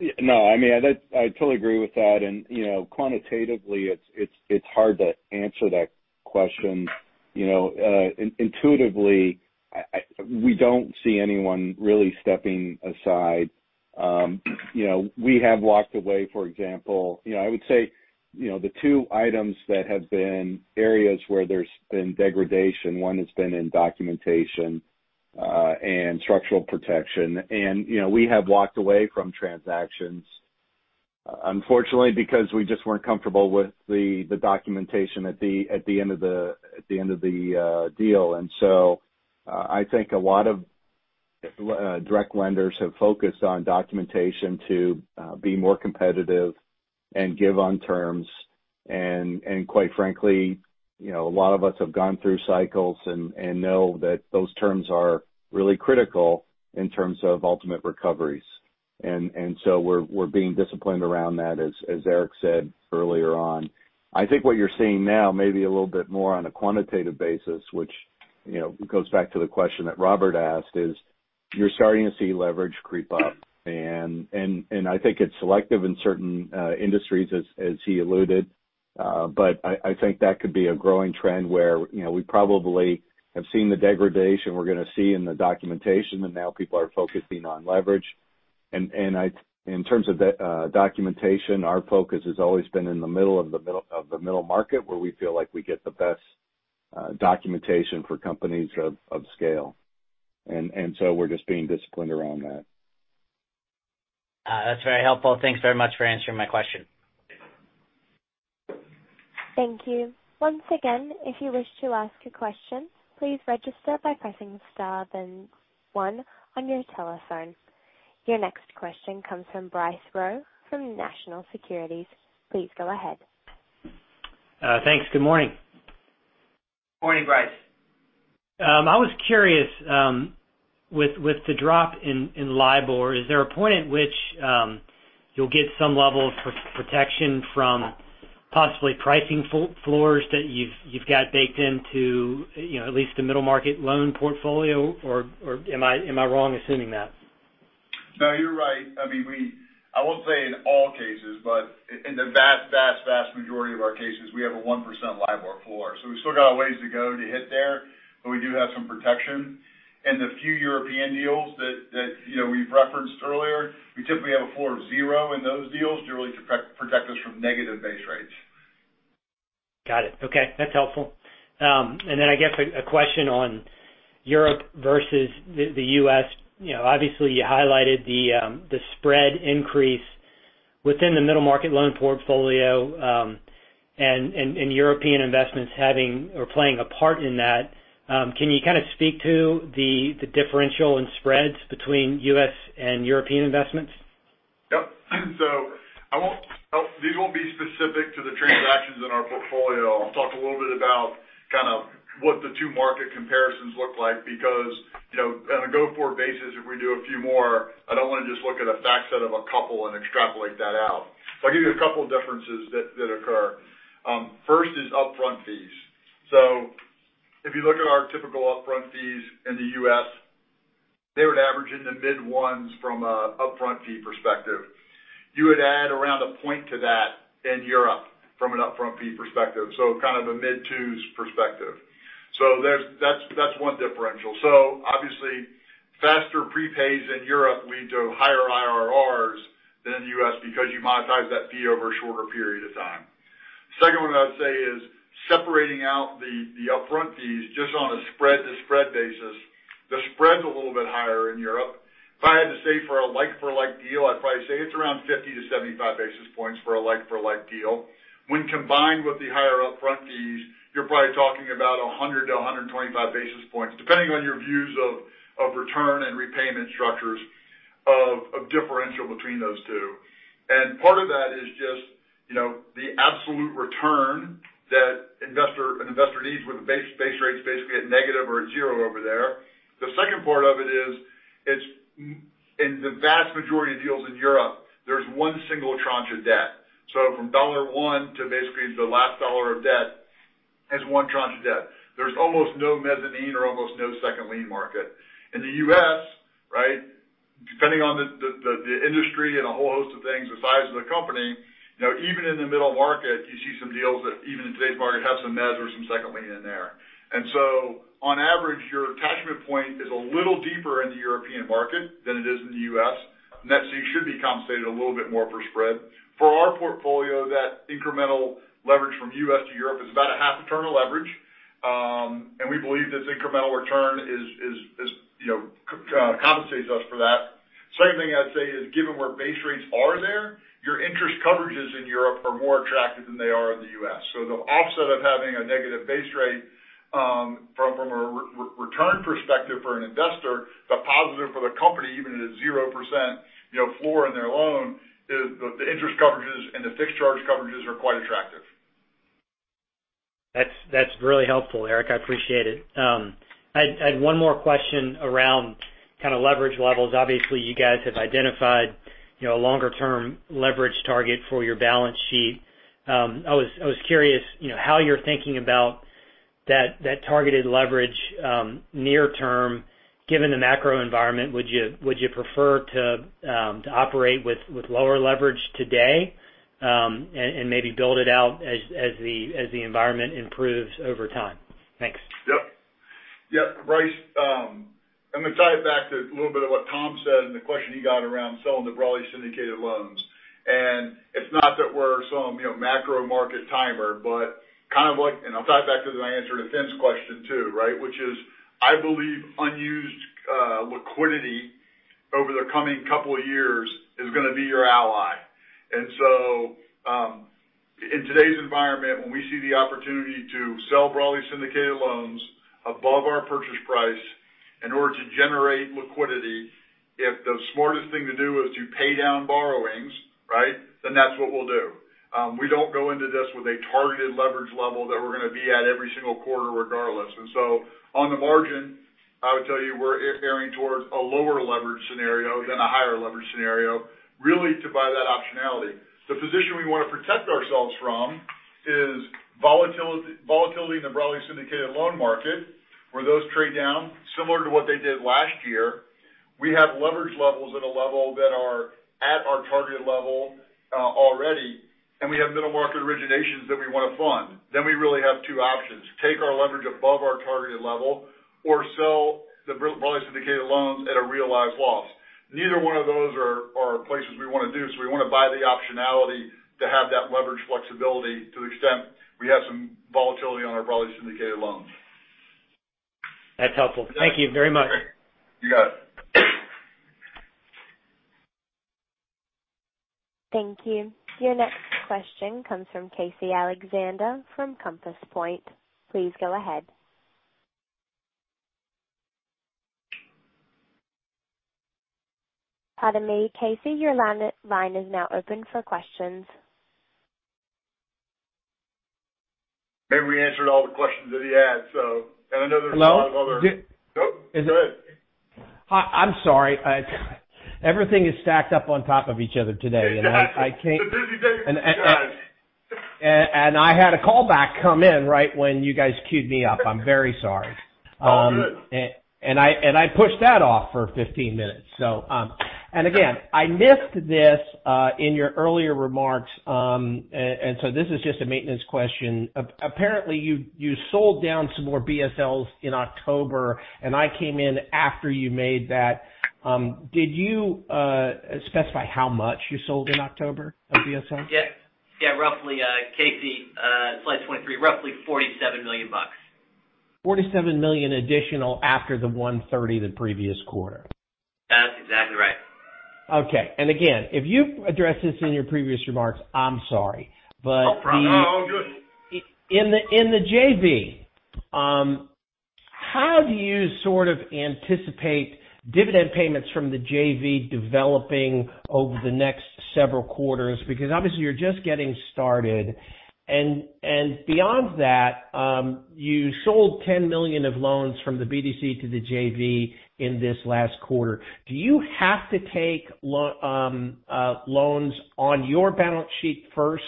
to that. No, I totally agree with that. Quantitatively, it's hard to answer that question. Intuitively, we don't see anyone really stepping aside. We have walked away, for example. I would say, the two items that have been areas where there's been degradation, one has been in documentation, and structural protection. We have walked away from transactions, unfortunately, because we just weren't comfortable with the documentation at the end of the deal. I think a lot of direct lenders have focused on documentation to be more competitive and give on terms. Quite frankly, a lot of us have gone through cycles and know that those terms are really critical in terms of ultimate recoveries. We're being disciplined around that, as Eric said earlier on. I think what you're seeing now, maybe a little bit more on a quantitative basis, which goes back to the question that Robert asked, is you're starting to see leverage creep up. I think it's selective in certain industries as he alluded. I think that could be a growing trend where we probably have seen the degradation we're going to see in the documentation, and now people are focusing on leverage. In terms of documentation, our focus has always been in the middle of the middle market, where we feel like we get the best documentation for companies of scale. We're just being disciplined around that. That's very helpful. Thanks very much for answering my question. Thank you. Once again, if you wish to ask a question, please register by pressing star then one on your telephone. Your next question comes from Bryce Rowe from National Securities. Please go ahead. Thanks. Good morning. Morning, Bryce. I was curious, with the drop in LIBOR, is there a point at which you'll get some level of protection from possibly pricing floors that you've got baked into at least the middle market loan portfolio? Am I wrong assuming that? No, you're right. I won't say in all cases, but in the vast majority of our cases, we have a 1% LIBOR floor. We've still got a ways to go to hit there, but we do have some protection. In the few European deals that we've referenced earlier, we typically have a floor of zero in those deals to really protect us from negative base rates. Got it. Okay. That's helpful. I guess a question on Europe versus the U.S. Obviously, you highlighted the spread increase within the middle market loan portfolio, and European investments having or playing a part in that. Can you kind of speak to the differential in spreads between U.S. and European investments? Yep. We won't be specific to the transactions in our portfolio. I'll talk a little bit about kind of what the two market comparisons look like because, on a go-forward basis, if we do a few more, I don't want to just look at a fact set of a couple and extrapolate that out. I'll give you a couple differences that occur. First is upfront fees. If you look at our typical upfront fees in the U.S., they would average in the mid ones from an upfront fee perspective. You would add around a point to that in Europe from an upfront fee perspective. Kind of a mid twos perspective. That's one differential. Obviously faster prepays in Europe lead to higher IRRs than in the U.S. because you monetize that fee over a shorter period of time. Second one I would say is separating out the upfront fees just on a spread to spread basis. The spread's a little bit higher in Europe. If I had to say for a like for like deal, I'd probably say it's around 50-75 basis points for a like for like deal. When combined with the higher upfront fees, you're probably talking about 100-125 basis points, depending on your views of return and repayment structures of differential between those two. Part of that is just the absolute return that an investor needs with base rates basically at negative or at zero over there. The second part of it is in the vast majority of deals in Europe, there's one single tranche of debt. From dollar one to basically the last dollar of debt is one tranche of debt. There's almost no mezzanine or almost no second lien market. In the U.S., depending on the industry and a whole host of things, the size of the company, even in the middle market, you see some deals that even in today's market have some mezz or some second lien in there. On average, your attachment point is a little deeper in the European market than it is in the U.S., and that should be compensated a little bit more for spread. For our portfolio, that incremental leverage from U.S. to Europe is about a half a turn of leverage. We believe this incremental return compensates us for that. Second thing I'd say is given where base rates are there, your interest coverages in Europe are more attractive than they are in the U.S. The offset of having a negative base rate, from a return perspective for an investor, but positive for the company, even at a 0% floor in their loan is the interest coverages and the fixed charge coverages are quite attractive. That's really helpful, Eric. I appreciate it. I had one more question around kind of leverage levels. You guys have identified a longer term leverage target for your balance sheet. I was curious how you're thinking about that targeted leverage near term, given the macro environment. Would you prefer to operate with lower leverage today? Maybe build it out as the environment improves over time? Thanks. Yep. Bryce, I'm going to tie it back to a little bit of what Tom said and the question he got around selling the broadly syndicated loans. It's not that we're some macro market timer, but kind of like. I'll tie it back to my answer to Fin's question too, which is, I believe unused liquidity over the coming couple of years is going to be your ally. In today's environment, when we see the opportunity to sell broadly syndicated loans above our purchase price in order to generate liquidity, if the smartest thing to do is to pay down borrowings, then that's what we'll do. We don't go into this with a targeted leverage level that we're going to be at every single quarter regardless. On the margin, I would tell you we're erring towards a lower leverage scenario than a higher leverage scenario, really to buy that optionality. The position we want to protect ourselves from is volatility in the broadly syndicated loan market, where those trade down similar to what they did last year. We have leverage levels at a level that are at our targeted level already, and we have middle market originations that we want to fund. We really have two options, take our leverage above our targeted level or sell the broadly syndicated loans at a realized loss. Neither one of those are places we want to do, so we want to buy the optionality to have that leverage flexibility to the extent we have some volatility on our broadly syndicated loans. That's helpful. Thank you very much. You got it. Thank you. Your next question comes from Casey Alexander from Compass Point. Please go ahead. Pardon me, Casey. Your line is now open for questions. Maybe we answered all the questions that he had. Hello? Oh, go ahead. Hi. I'm sorry. Everything is stacked up on top of each other today. It's a busy day. I had a call back come in right when you guys cued me up. I'm very sorry. All good. I pushed that off for 15 minutes. Again, I missed this in your earlier remarks. This is just a maintenance question. Apparently, you sold down some more BSLs in October, and I came in after you made that. Did you specify how much you sold in October of BSLs? Yeah. Roughly, Casey, slide 23, roughly $47 million. $47 million additional after the $130 million the previous quarter. That's exactly right. Okay. Again, if you addressed this in your previous remarks, I'm sorry. No, all good. How do you anticipate dividend payments from the JV developing over the next several quarters? Because obviously you're just getting started. Beyond that, you sold $10 million of loans from the BDC to the JV in this last quarter. Do you have to take loans on your balance sheet first,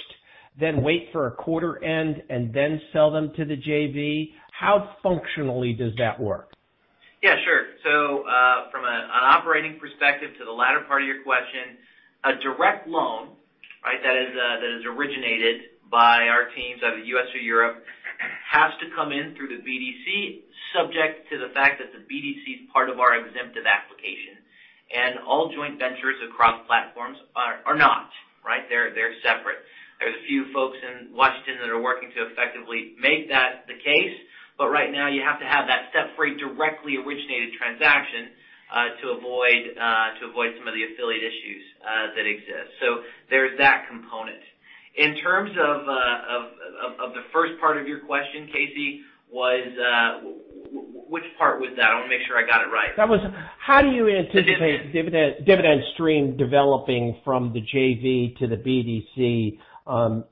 then wait for a quarter end, and then sell them to the JV? How functionally does that work? Yeah, sure. From an operating perspective to the latter part of your question, a direct loan that is originated by our teams out of the U.S. or Europe, has to come in through the BDC, subject to the fact that the BDC is part of our exemptive application. All joint ventures across platforms are not. They're separate. There's a few folks in Washington that are working to effectively make that the case. Right now, you have to have that step-free, directly originated transaction, to avoid some of the affiliate issues that exist. There's that component. In terms of the first part of your question, Casey, which part was that? I want to make sure I got it right. How do you anticipate the dividend stream developing from the JV to the BDC?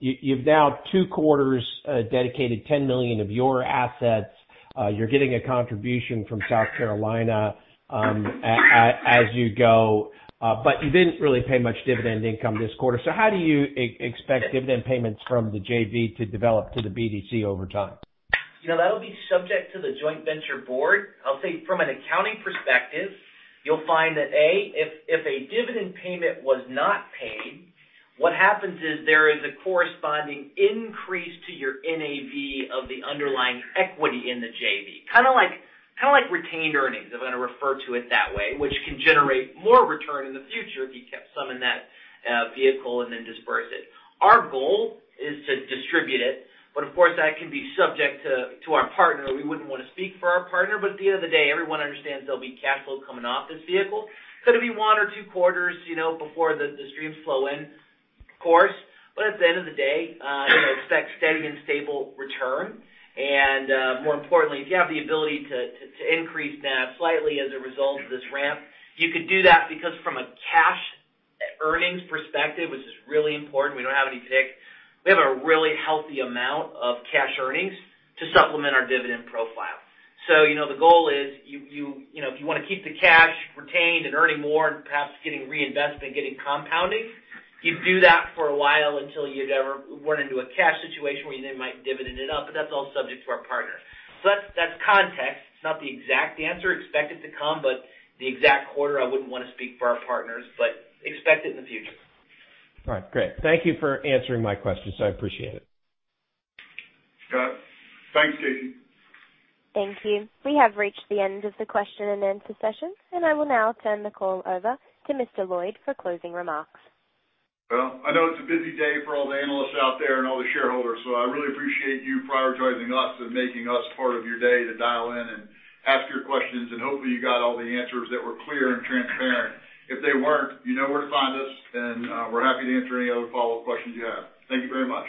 You've now, 2 quarters, dedicated $10 million of your assets. You're getting a contribution from South Carolina as you go. You didn't really pay much dividend income this quarter. How do you expect dividend payments from the JV to develop to the BDC over time? That'll be subject to the joint venture board. I'll say from an accounting perspective, you'll find that, A, if a dividend payment was not paid, what happens is there is a corresponding increase to your NAV of the underlying equity in the JV. Kind of like retained earnings, if I'm going to refer to it that way, which can generate more return in the future if you kept some in that vehicle and then disperse it. Our goal is to distribute it, of course, that can be subject to our partner. We wouldn't want to speak for our partner, at the end of the day, everyone understands there'll be cash flow coming off this vehicle. Could it be one or two quarters before the streams flow in? Of course. At the end of the day, expect steady and stable return. More importantly, if you have the ability to increase that slightly as a result of this ramp, you could do that because from a cash earnings perspective, which is really important, we don't have any PIC, we have a really healthy amount of cash earnings to supplement our dividend profile. The goal is, if you want to keep the cash retained and earning more and perhaps getting reinvestment, getting compounding, you do that for a while until you'd ever run into a cash situation where you then might dividend it up. That's all subject to our partner. That's context. It's not the exact answer. Expect it to come, but the exact quarter, I wouldn't want to speak for our partners, but expect it in the future. All right, great. Thank you for answering my questions. I appreciate it. Got it. Thanks, Casey. Thank you. We have reached the end of the question-and-answer session, and I will now turn the call over to Mr. Lloyd for closing remarks. Well, I know it's a busy day for all the analysts out there and all the shareholders, so I really appreciate you prioritizing us and making us part of your day to dial in and ask your questions. Hopefully you got all the answers that were clear and transparent. If they weren't, you know where to find us, and we're happy to answer any other follow-up questions you have. Thank you very much.